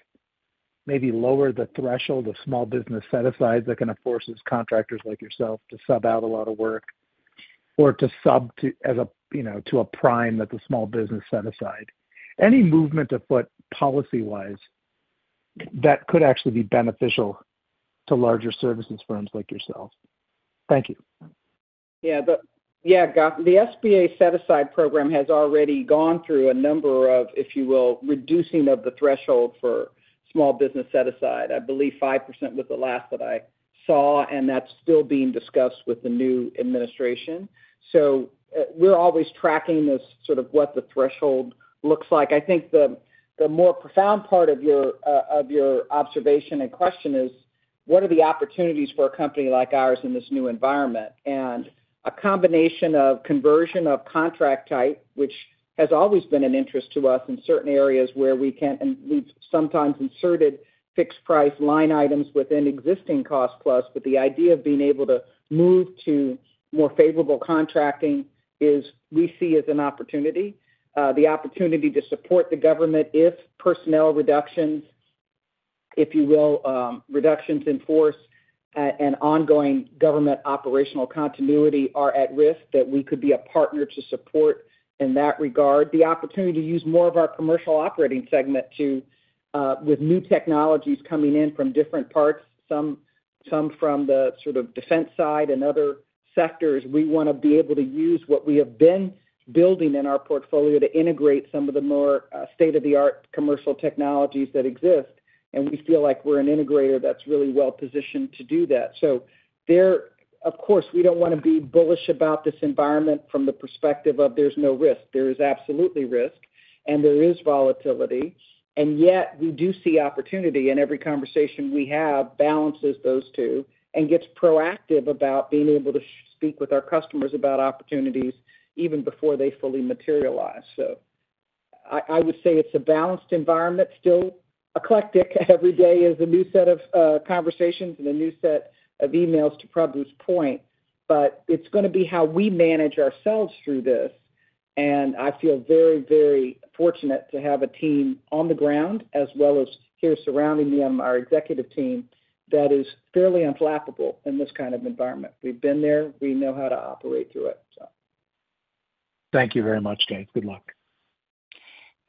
maybe lower the threshold of small business set-aside that kind of forces contractors like yourself to sub out a lot of work or to sub to a prime that the small business set-aside? Any movement afoot policy-wise that could actually be beneficial to larger services firms like yourself? Thank you. Yeah. Yeah. The SBA set-aside program has already gone through a number of, if you will, reducing of the threshold for small business set-aside. I believe 5% was the last that I saw, and that's still being discussed with the new administration. We're always tracking this sort of what the threshold looks like. I think the more profound part of your observation and question is, what are the opportunities for a company like ours in this new environment? A combination of conversion of contract type, which has always been an interest to us in certain areas where we can sometimes insert fixed-price line items within existing cost-plus, but the idea of being able to move to more favorable contracting is we see as an opportunity. The opportunity to support the government if personnel reductions, if you will, reductions in force and ongoing government operational continuity are at risk that we could be a partner to support in that regard. The opportunity to use more of our commercial operating segment with new technologies coming in from different parts, some from the sort of defense side and other sectors. We want to be able to use what we have been building in our portfolio to integrate some of the more state-of-the-art commercial technologies that exist. We feel like we're an integrator that's really well-positioned to do that. Of course, we don't want to be bullish about this environment from the perspective of there's no risk. There is absolutely risk, and there is volatility. Yet we do see opportunity. Every conversation we have balances those two and gets proactive about being able to speak with our customers about opportunities even before they fully materialize. I would say it's a balanced environment still. Eclectic, every day is a new set of conversations and a new set of emails to Prabu's point. It's going to be how we manage ourselves through this. I feel very, very fortunate to have a team on the ground as well as here surrounding me on our executive team that is fairly unflappable in this kind of environment. We've been there. We know how to operate through it. Thank you very much, and. Good luck.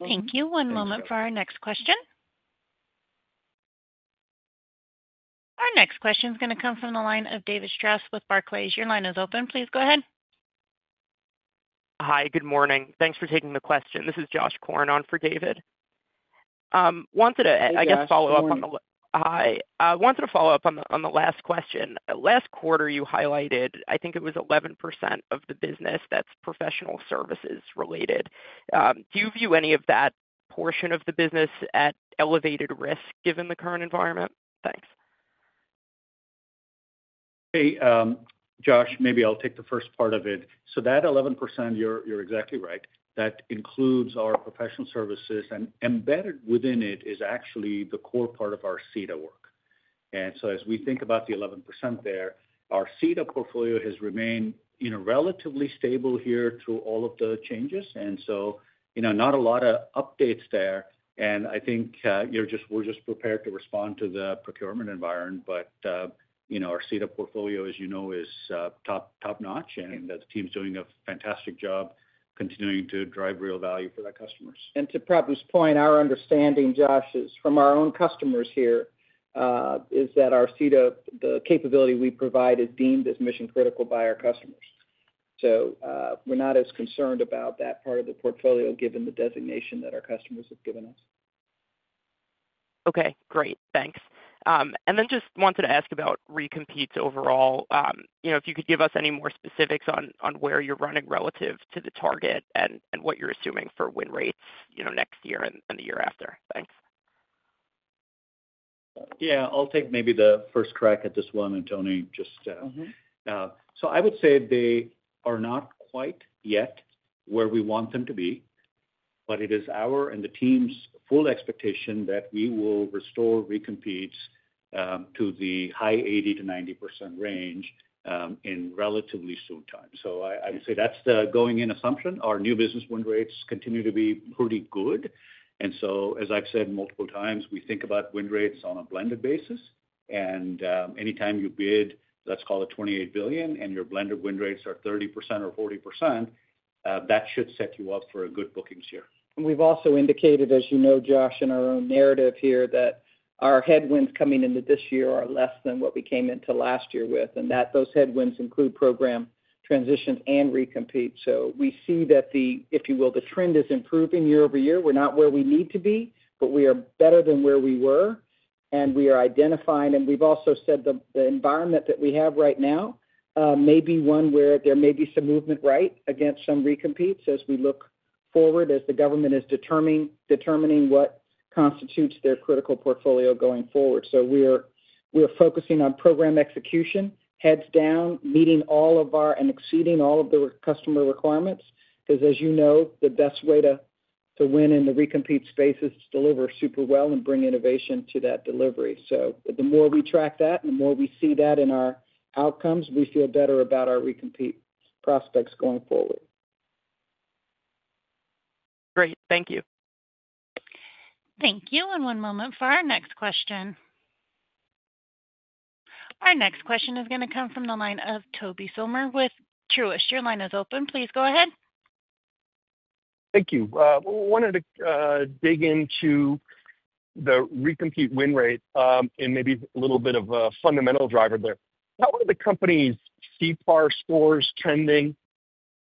Thank you. One moment for our next question. Our next question is going to come from the line of David Strauss with Barclays. Your line is open. Please go ahead. Hi. Good morning. Thanks for taking the question. This is Josh Korn for David. Wanted to, I guess, follow up on the. Hi. Hi. Wanted to follow up on the last question. Last quarter, you highlighted, I think it was 11% of the business that's professional services related. Do you view any of that portion of the business at elevated risk given the current environment? Thanks. Hey, Josh, maybe I'll take the first part of it. That 11%, you're exactly right. That includes our professional services. Embedded within it is actually the core part of our SETA work. As we think about the 11% there, our SETA portfolio has remained relatively stable here through all of the changes. Not a lot of updates there. I think we're just prepared to respond to the procurement environment. Our SETA portfolio, as you know, is top-notch. The team's doing a fantastic job continuing to drive real value for our customers. To Prabu's point, our understanding, Josh, is from our own customers here is that our SETA, the capability we provide, is deemed as mission-critical by our customers. We are not as concerned about that part of the portfolio given the designation that our customers have given us. Okay. Great. Thanks. I just wanted to ask about recompete overall. If you could give us any more specifics on where you're running relative to the target and what you're assuming for win rates next year and the year after. Thanks. Yeah. I'll take maybe the first crack at this one, Toni, just to. I would say they are not quite yet where we want them to be. It is our and the team's full expectation that we will restore recompetes to the high 80-90% range in relatively soon time. I would say that's the going-in assumption. Our new business win rates continue to be pretty good. As I've said multiple times, we think about win rates on a blended basis. Anytime you bid, let's call it $28 billion, and your blended win rates are 30% or 40%, that should set you up for a good bookings year. We have also indicated, as you know, Josh, in our own narrative here that our headwinds coming into this year are less than what we came into last year with, and that those headwinds include program transitions and recompetes. We see that the, if you will, the trend is improving year-over-year. we are not where we need to be, but we are better than where we were. We are identifying. We have also said the environment that we have right now may be one where there may be some movement right against some recompetes as we look forward as the government is determining what constitutes their critical portfolio going forward. We are focusing on program execution, heads down, meeting all of our and exceeding all of the customer requirements. Because, as you know, the best way to win in the recompete space is to deliver super well and bring innovation to that delivery. The more we track that, the more we see that in our outcomes, we feel better about our recompete prospects going forward. Great. Thank you. Thank you. One moment for our next question. Our next question is going to come from the line of Tobey Sommer with Truist. Your line is open. Please go ahead. Thank you. Wanted to dig into the recompete win rate and maybe a little bit of a fundamental driver there. How are the company's SETA scores trending,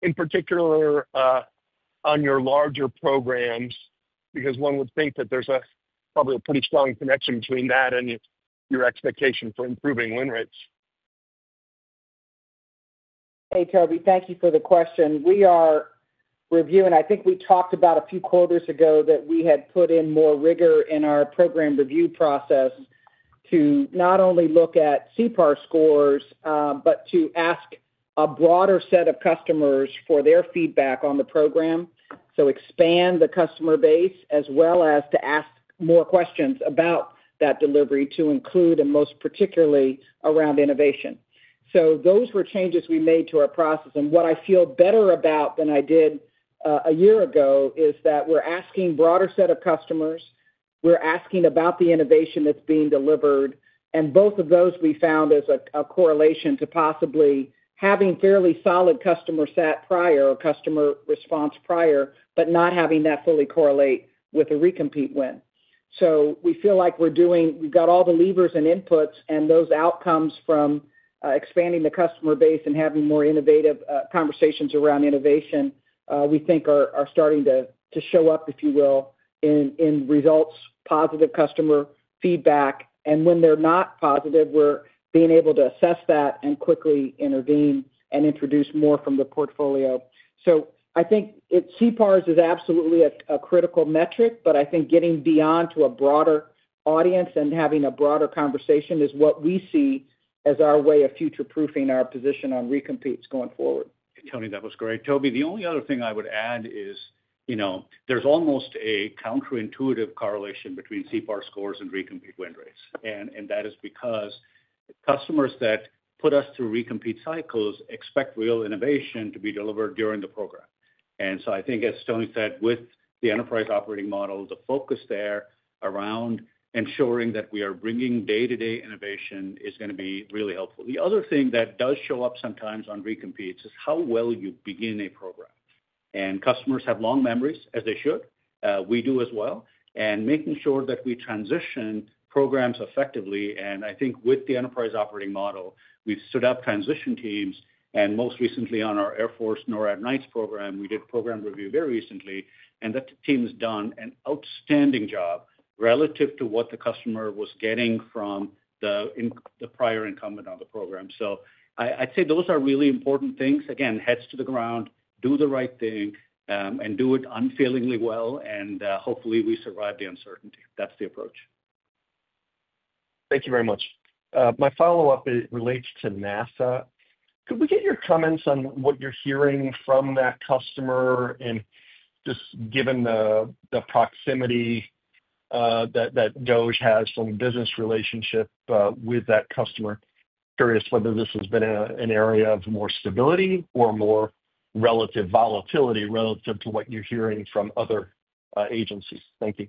in particular on your larger programs? Because one would think that there's probably a pretty strong connection between that and your expectation for improving win rates. Hey, Tobey. Thank you for the question. We are reviewing, I think we talked about a few quarters ago that we had put in more rigor in our program review process to not only look at SETA scores, but to ask a broader set of customers for their feedback on the program, to expand the customer base, as well as to ask more questions about that delivery to include, and most particularly around innovation. Those were changes we made to our process. What I feel better about than I did a year ago is that we're asking a broader set of customers. We're asking about the innovation that's being delivered. Both of those we found as a correlation to possibly having fairly solid customer set prior or customer response prior, but not having that fully correlate with a recompete win. We feel like we're doing, we've got all the levers and inputs, and those outcomes from expanding the customer base and having more innovative conversations around innovation, we think are starting to show up, if you will, in results, positive customer feedback. When they're not positive, we're being able to assess that and quickly intervene and introduce more from the portfolio. I think SETA is absolutely a critical metric, but I think getting beyond to a broader audience and having a broader conversation is what we see as our way of future-proofing our position on recompetes going forward. Toni, that was great. Tobey, the only other thing I would add is there's almost a counterintuitive correlation between SETA scores and recompete win rates. That is because customers that put us through recompete cycles expect real innovation to be delivered during the program. I think, as Toni said, with the enterprise operating model, the focus there around ensuring that we are bringing day-to-day innovation is going to be really helpful. The other thing that does show up sometimes on recompetes is how well you begin a program. Customers have long memories, as they should. We do as well. Making sure that we transition programs effectively. I think with the enterprise operating model, we've stood up transition teams. Most recently, on our Air Force NORAD NITES program, we did program review very recently. That team's done an outstanding job relative to what the customer was getting from the prior incumbent on the program. I'd say those are really important things. Again, heads to the ground, do the right thing, and do it unfailingly well. Hopefully, we survive the uncertainty. That's the approach. Thank you very much. My follow-up relates to NASA. Could we get your comments on what you're hearing from that customer? Just given the proximity that DOGE has from business relationship with that customer, curious whether this has been an area of more stability or more relative volatility relative to what you're hearing from other agencies. Thank you.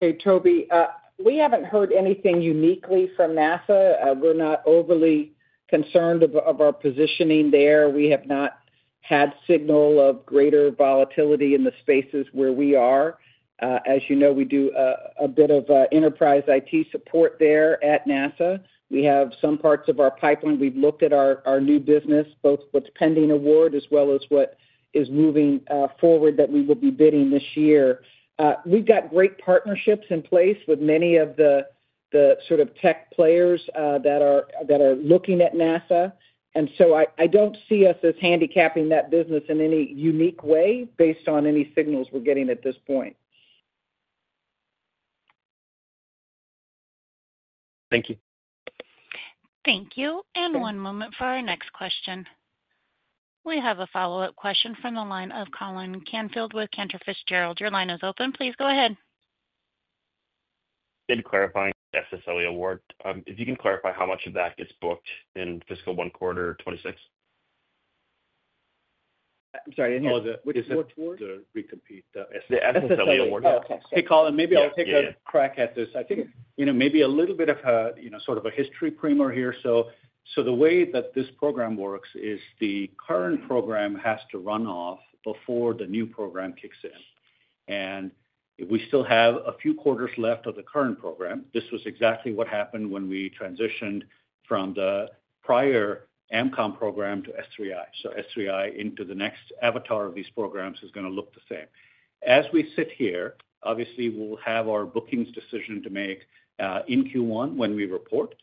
Hey, Tobey. We haven't heard anything uniquely from NASA. We're not overly concerned of our positioning there. We have not had signal of greater volatility in the spaces where we are. As you know, we do a bit of enterprise IT support there at NASA. We have some parts of our pipeline. We've looked at our new business, both what's pending award as well as what is moving forward that we will be bidding this year. We've got great partnerships in place with many of the sort of tech players that are looking at NASA. I don't see us as handicapping that business in any unique way based on any signals we're getting at this point. Thank you. Thank you. One moment for our next question. We have a follow-up question from the line of Colin Canfield with Cantor Fitzgerald. Your line is open. Please go ahead. Did clarifying SSLE award. If you can clarify how much of that gets booked in fiscal one quarter 2026. I'm sorry. What is it? What is the recompete? The SSLE award. The SSLE award. Okay. Hey, Colin, maybe I'll take a crack at this. I think maybe a little bit of a sort of a history primer here. The way that this program works is the current program has to run off before the new program kicks in. We still have a few quarters left of the current program. This was exactly what happened when we transitioned from the prior AMCOM program to S3I. S3I into the next avatar of these programs is going to look the same. As we sit here, obviously, we'll have our bookings decision to make in Q1 when we report.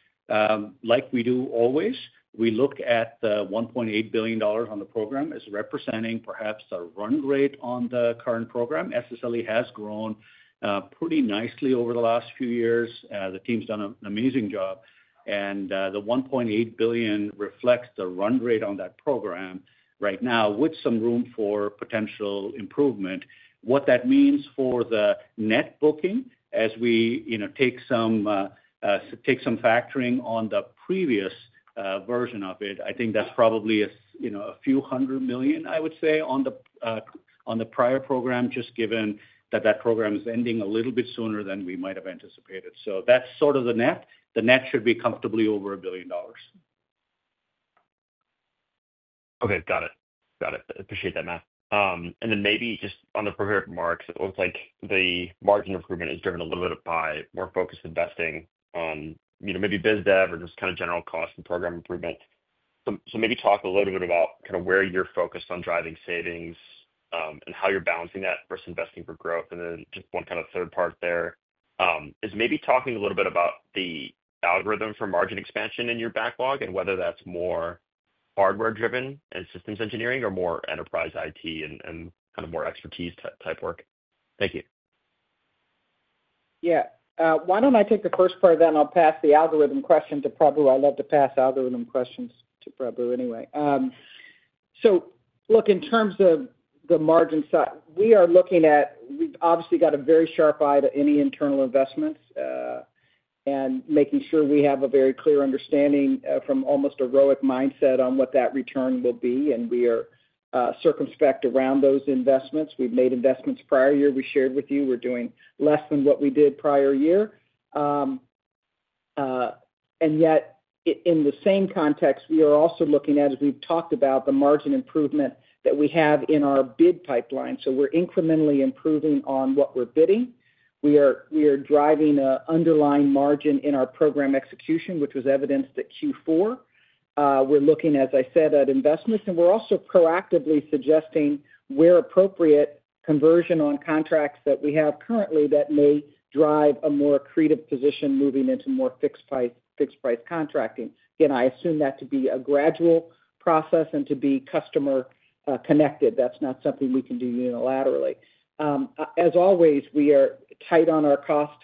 Like we do always, we look at the $1.8 billion on the program as representing perhaps a run rate on the current program. SSLE has grown pretty nicely over the last few years. The team's done an amazing job. The $1.8 billion reflects the run rate on that program right now with some room for potential improvement. What that means for the net booking as we take some factoring on the previous version of it, I think that's probably a few hundred million, I would say, on the prior program just given that that program is ending a little bit sooner than we might have anticipated. That is sort of the net. The net should be comfortably over $1 billion. Okay. Got it. Got it. Appreciate that, Matt. Maybe just on the prepared remarks, it looks like the margin improvement is driven a little bit by more focused investing on maybe biz dev or just kind of general cost and program improvement. Maybe talk a little bit about kind of where you're focused on driving savings and how you're balancing that versus investing for growth. Just one kind of third part there is maybe talking a little bit about the algorithm for margin expansion in your backlog and whether that's more hardware-driven and systems engineering or more enterprise IT and kind of more expertise-type work. Thank you. Yeah. Why don't I take the first part, then I'll pass the algorithm question to Prabu. I love to pass algorithm questions to Prabu anyway. Look, in terms of the margin side, we are looking at we've obviously got a very sharp eye to any internal investments and making sure we have a very clear understanding from almost a heroic mindset on what that return will be. We are circumspect around those investments. We've made investments prior year. We shared with you. We're doing less than what we did prior year. Yet, in the same context, we are also looking at, as we've talked about, the margin improvement that we have in our bid pipeline. We're incrementally improving on what we're bidding. We are driving an underlying margin in our program execution, which was evidenced at Q4. We're looking, as I said, at investments. We're also proactively suggesting, where appropriate, conversion on contracts that we have currently that may drive a more creative position moving into more fixed-price contracting. I assume that to be a gradual process and to be customer-connected. That's not something we can do unilaterally. As always, we are tight on our cost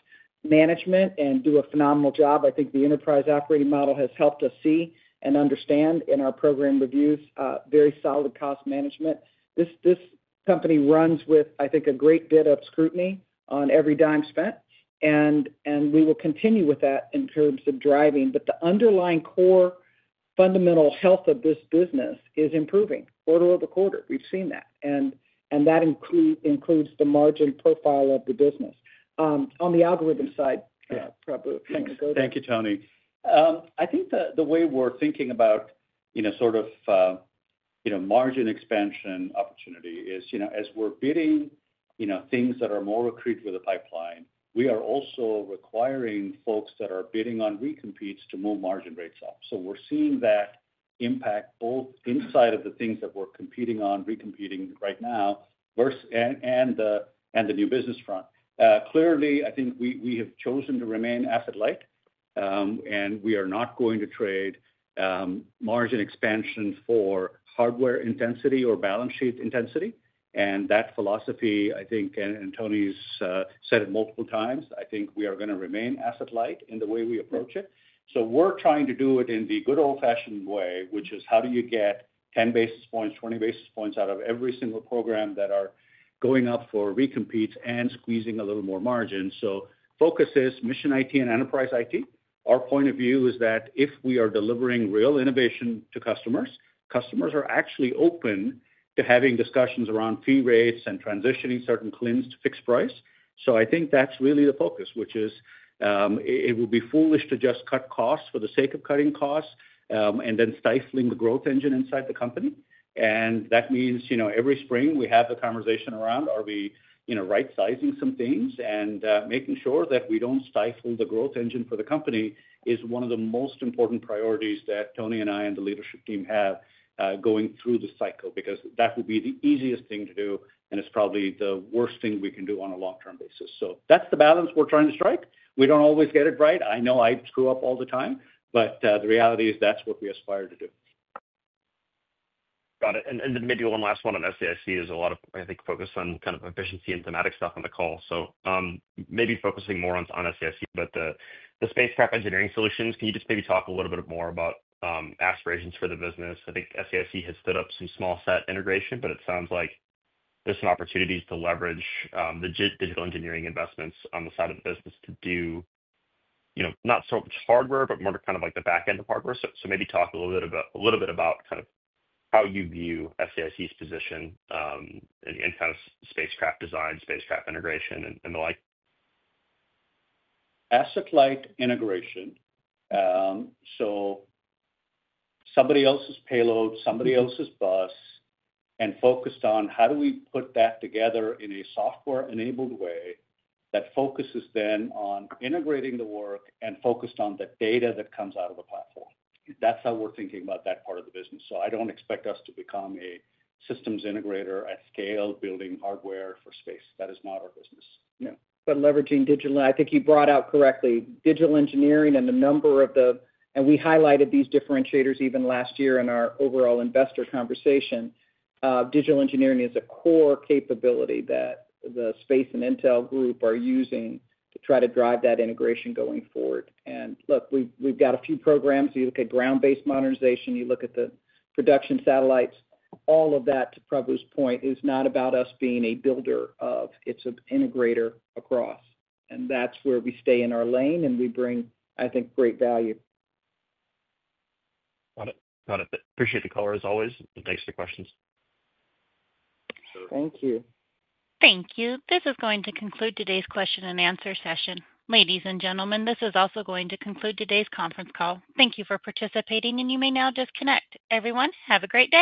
management and do a phenomenal job. I think the enterprise operating model has helped us see and understand in our program reviews very solid cost management. This company runs with, I think, a great bit of scrutiny on every dime spent. We will continue with that in terms of driving. The underlying core fundamental health of this business is improving quarter over quarter. We've seen that. That includes the margin profile of the business. On the algorithm side, Prabu, thanks for going there. Thank you, Toni. I think the way we're thinking about sort of margin expansion opportunity is, as we're bidding things that are more accretive to the pipeline, we are also requiring folks that are bidding on recompetes to move margin rates up. We are seeing that impact both inside of the things that we're competing on, recompeting right now, and the new business front. Clearly, I think we have chosen to remain asset-light. We are not going to trade margin expansion for hardware intensity or balance sheet intensity. That philosophy, I think, and Toni's said it multiple times, I think we are going to remain asset-light in the way we approach it. We're trying to do it in the good old-fashioned way, which is how do you get 10 basis points, 20 basis points out of every single program that are going up for recompetes and squeezing a little more margin. Focus is mission IT and enterprise IT. Our point of view is that if we are delivering real innovation to customers, customers are actually open to having discussions around fee rates and transitioning certain CLINs to fixed price. I think that's really the focus, which is it would be foolish to just cut costs for the sake of cutting costs and then stifling the growth engine inside the company. That means every spring we have the conversation around, are we right-sizing some things? Making sure that we don't stifle the growth engine for the company is one of the most important priorities that Toni and I and the leadership team have going through the cycle because that would be the easiest thing to do. It is probably the worst thing we can do on a long-term basis. That is the balance we're trying to strike. We don't always get it right. I know I screw up all the time. The reality is that's what we aspire to do. Got it. Maybe one last one on SAIC is a lot of, I think, focus on kind of efficiency and thematic stuff on the call. Maybe focusing more on SAIC, but the spacecraft engineering solutions, can you just maybe talk a little bit more about aspirations for the business? I think SAIC has stood up some SmallSat integration, but it sounds like there are some opportunities to leverage the digital engineering investments on the side of the business to do not so much hardware, but more kind of like the back end of hardware. Maybe talk a little bit about kind of how you view SAIC's position in kind of spacecraft design, spacecraft integration, and the like. Asset-light integration. Somebody else's payload, somebody else's bus, and focused on how do we put that together in a software-enabled way that focuses then on integrating the work and focused on the data that comes out of the platform. That is how we're thinking about that part of the business. I do not expect us to become a systems integrator at scale building hardware for space. That is not our business. Yeah. Leveraging digital, I think you brought out correctly digital engineering and the number of the—and we highlighted these differentiators even last year in our overall investor conversation. Digital engineering is a core capability that the Space and Intel Group are using to try to drive that integration going forward. Look, we've got a few programs. You look at ground-based modernization. You look at the production satellites. All of that, to Prabu's point, is not about us being a builder of. It's an integrator across. That is where we stay in our lane. We bring, I think, great value. Got it. Got it. Appreciate the call, as always. Thanks for the questions. Thank you. Thank you. This is going to conclude today's question and answer session. Ladies and gentlemen, this is also going to conclude today's conference call. Thank you for participating. You may now disconnect. Everyone, have a great day.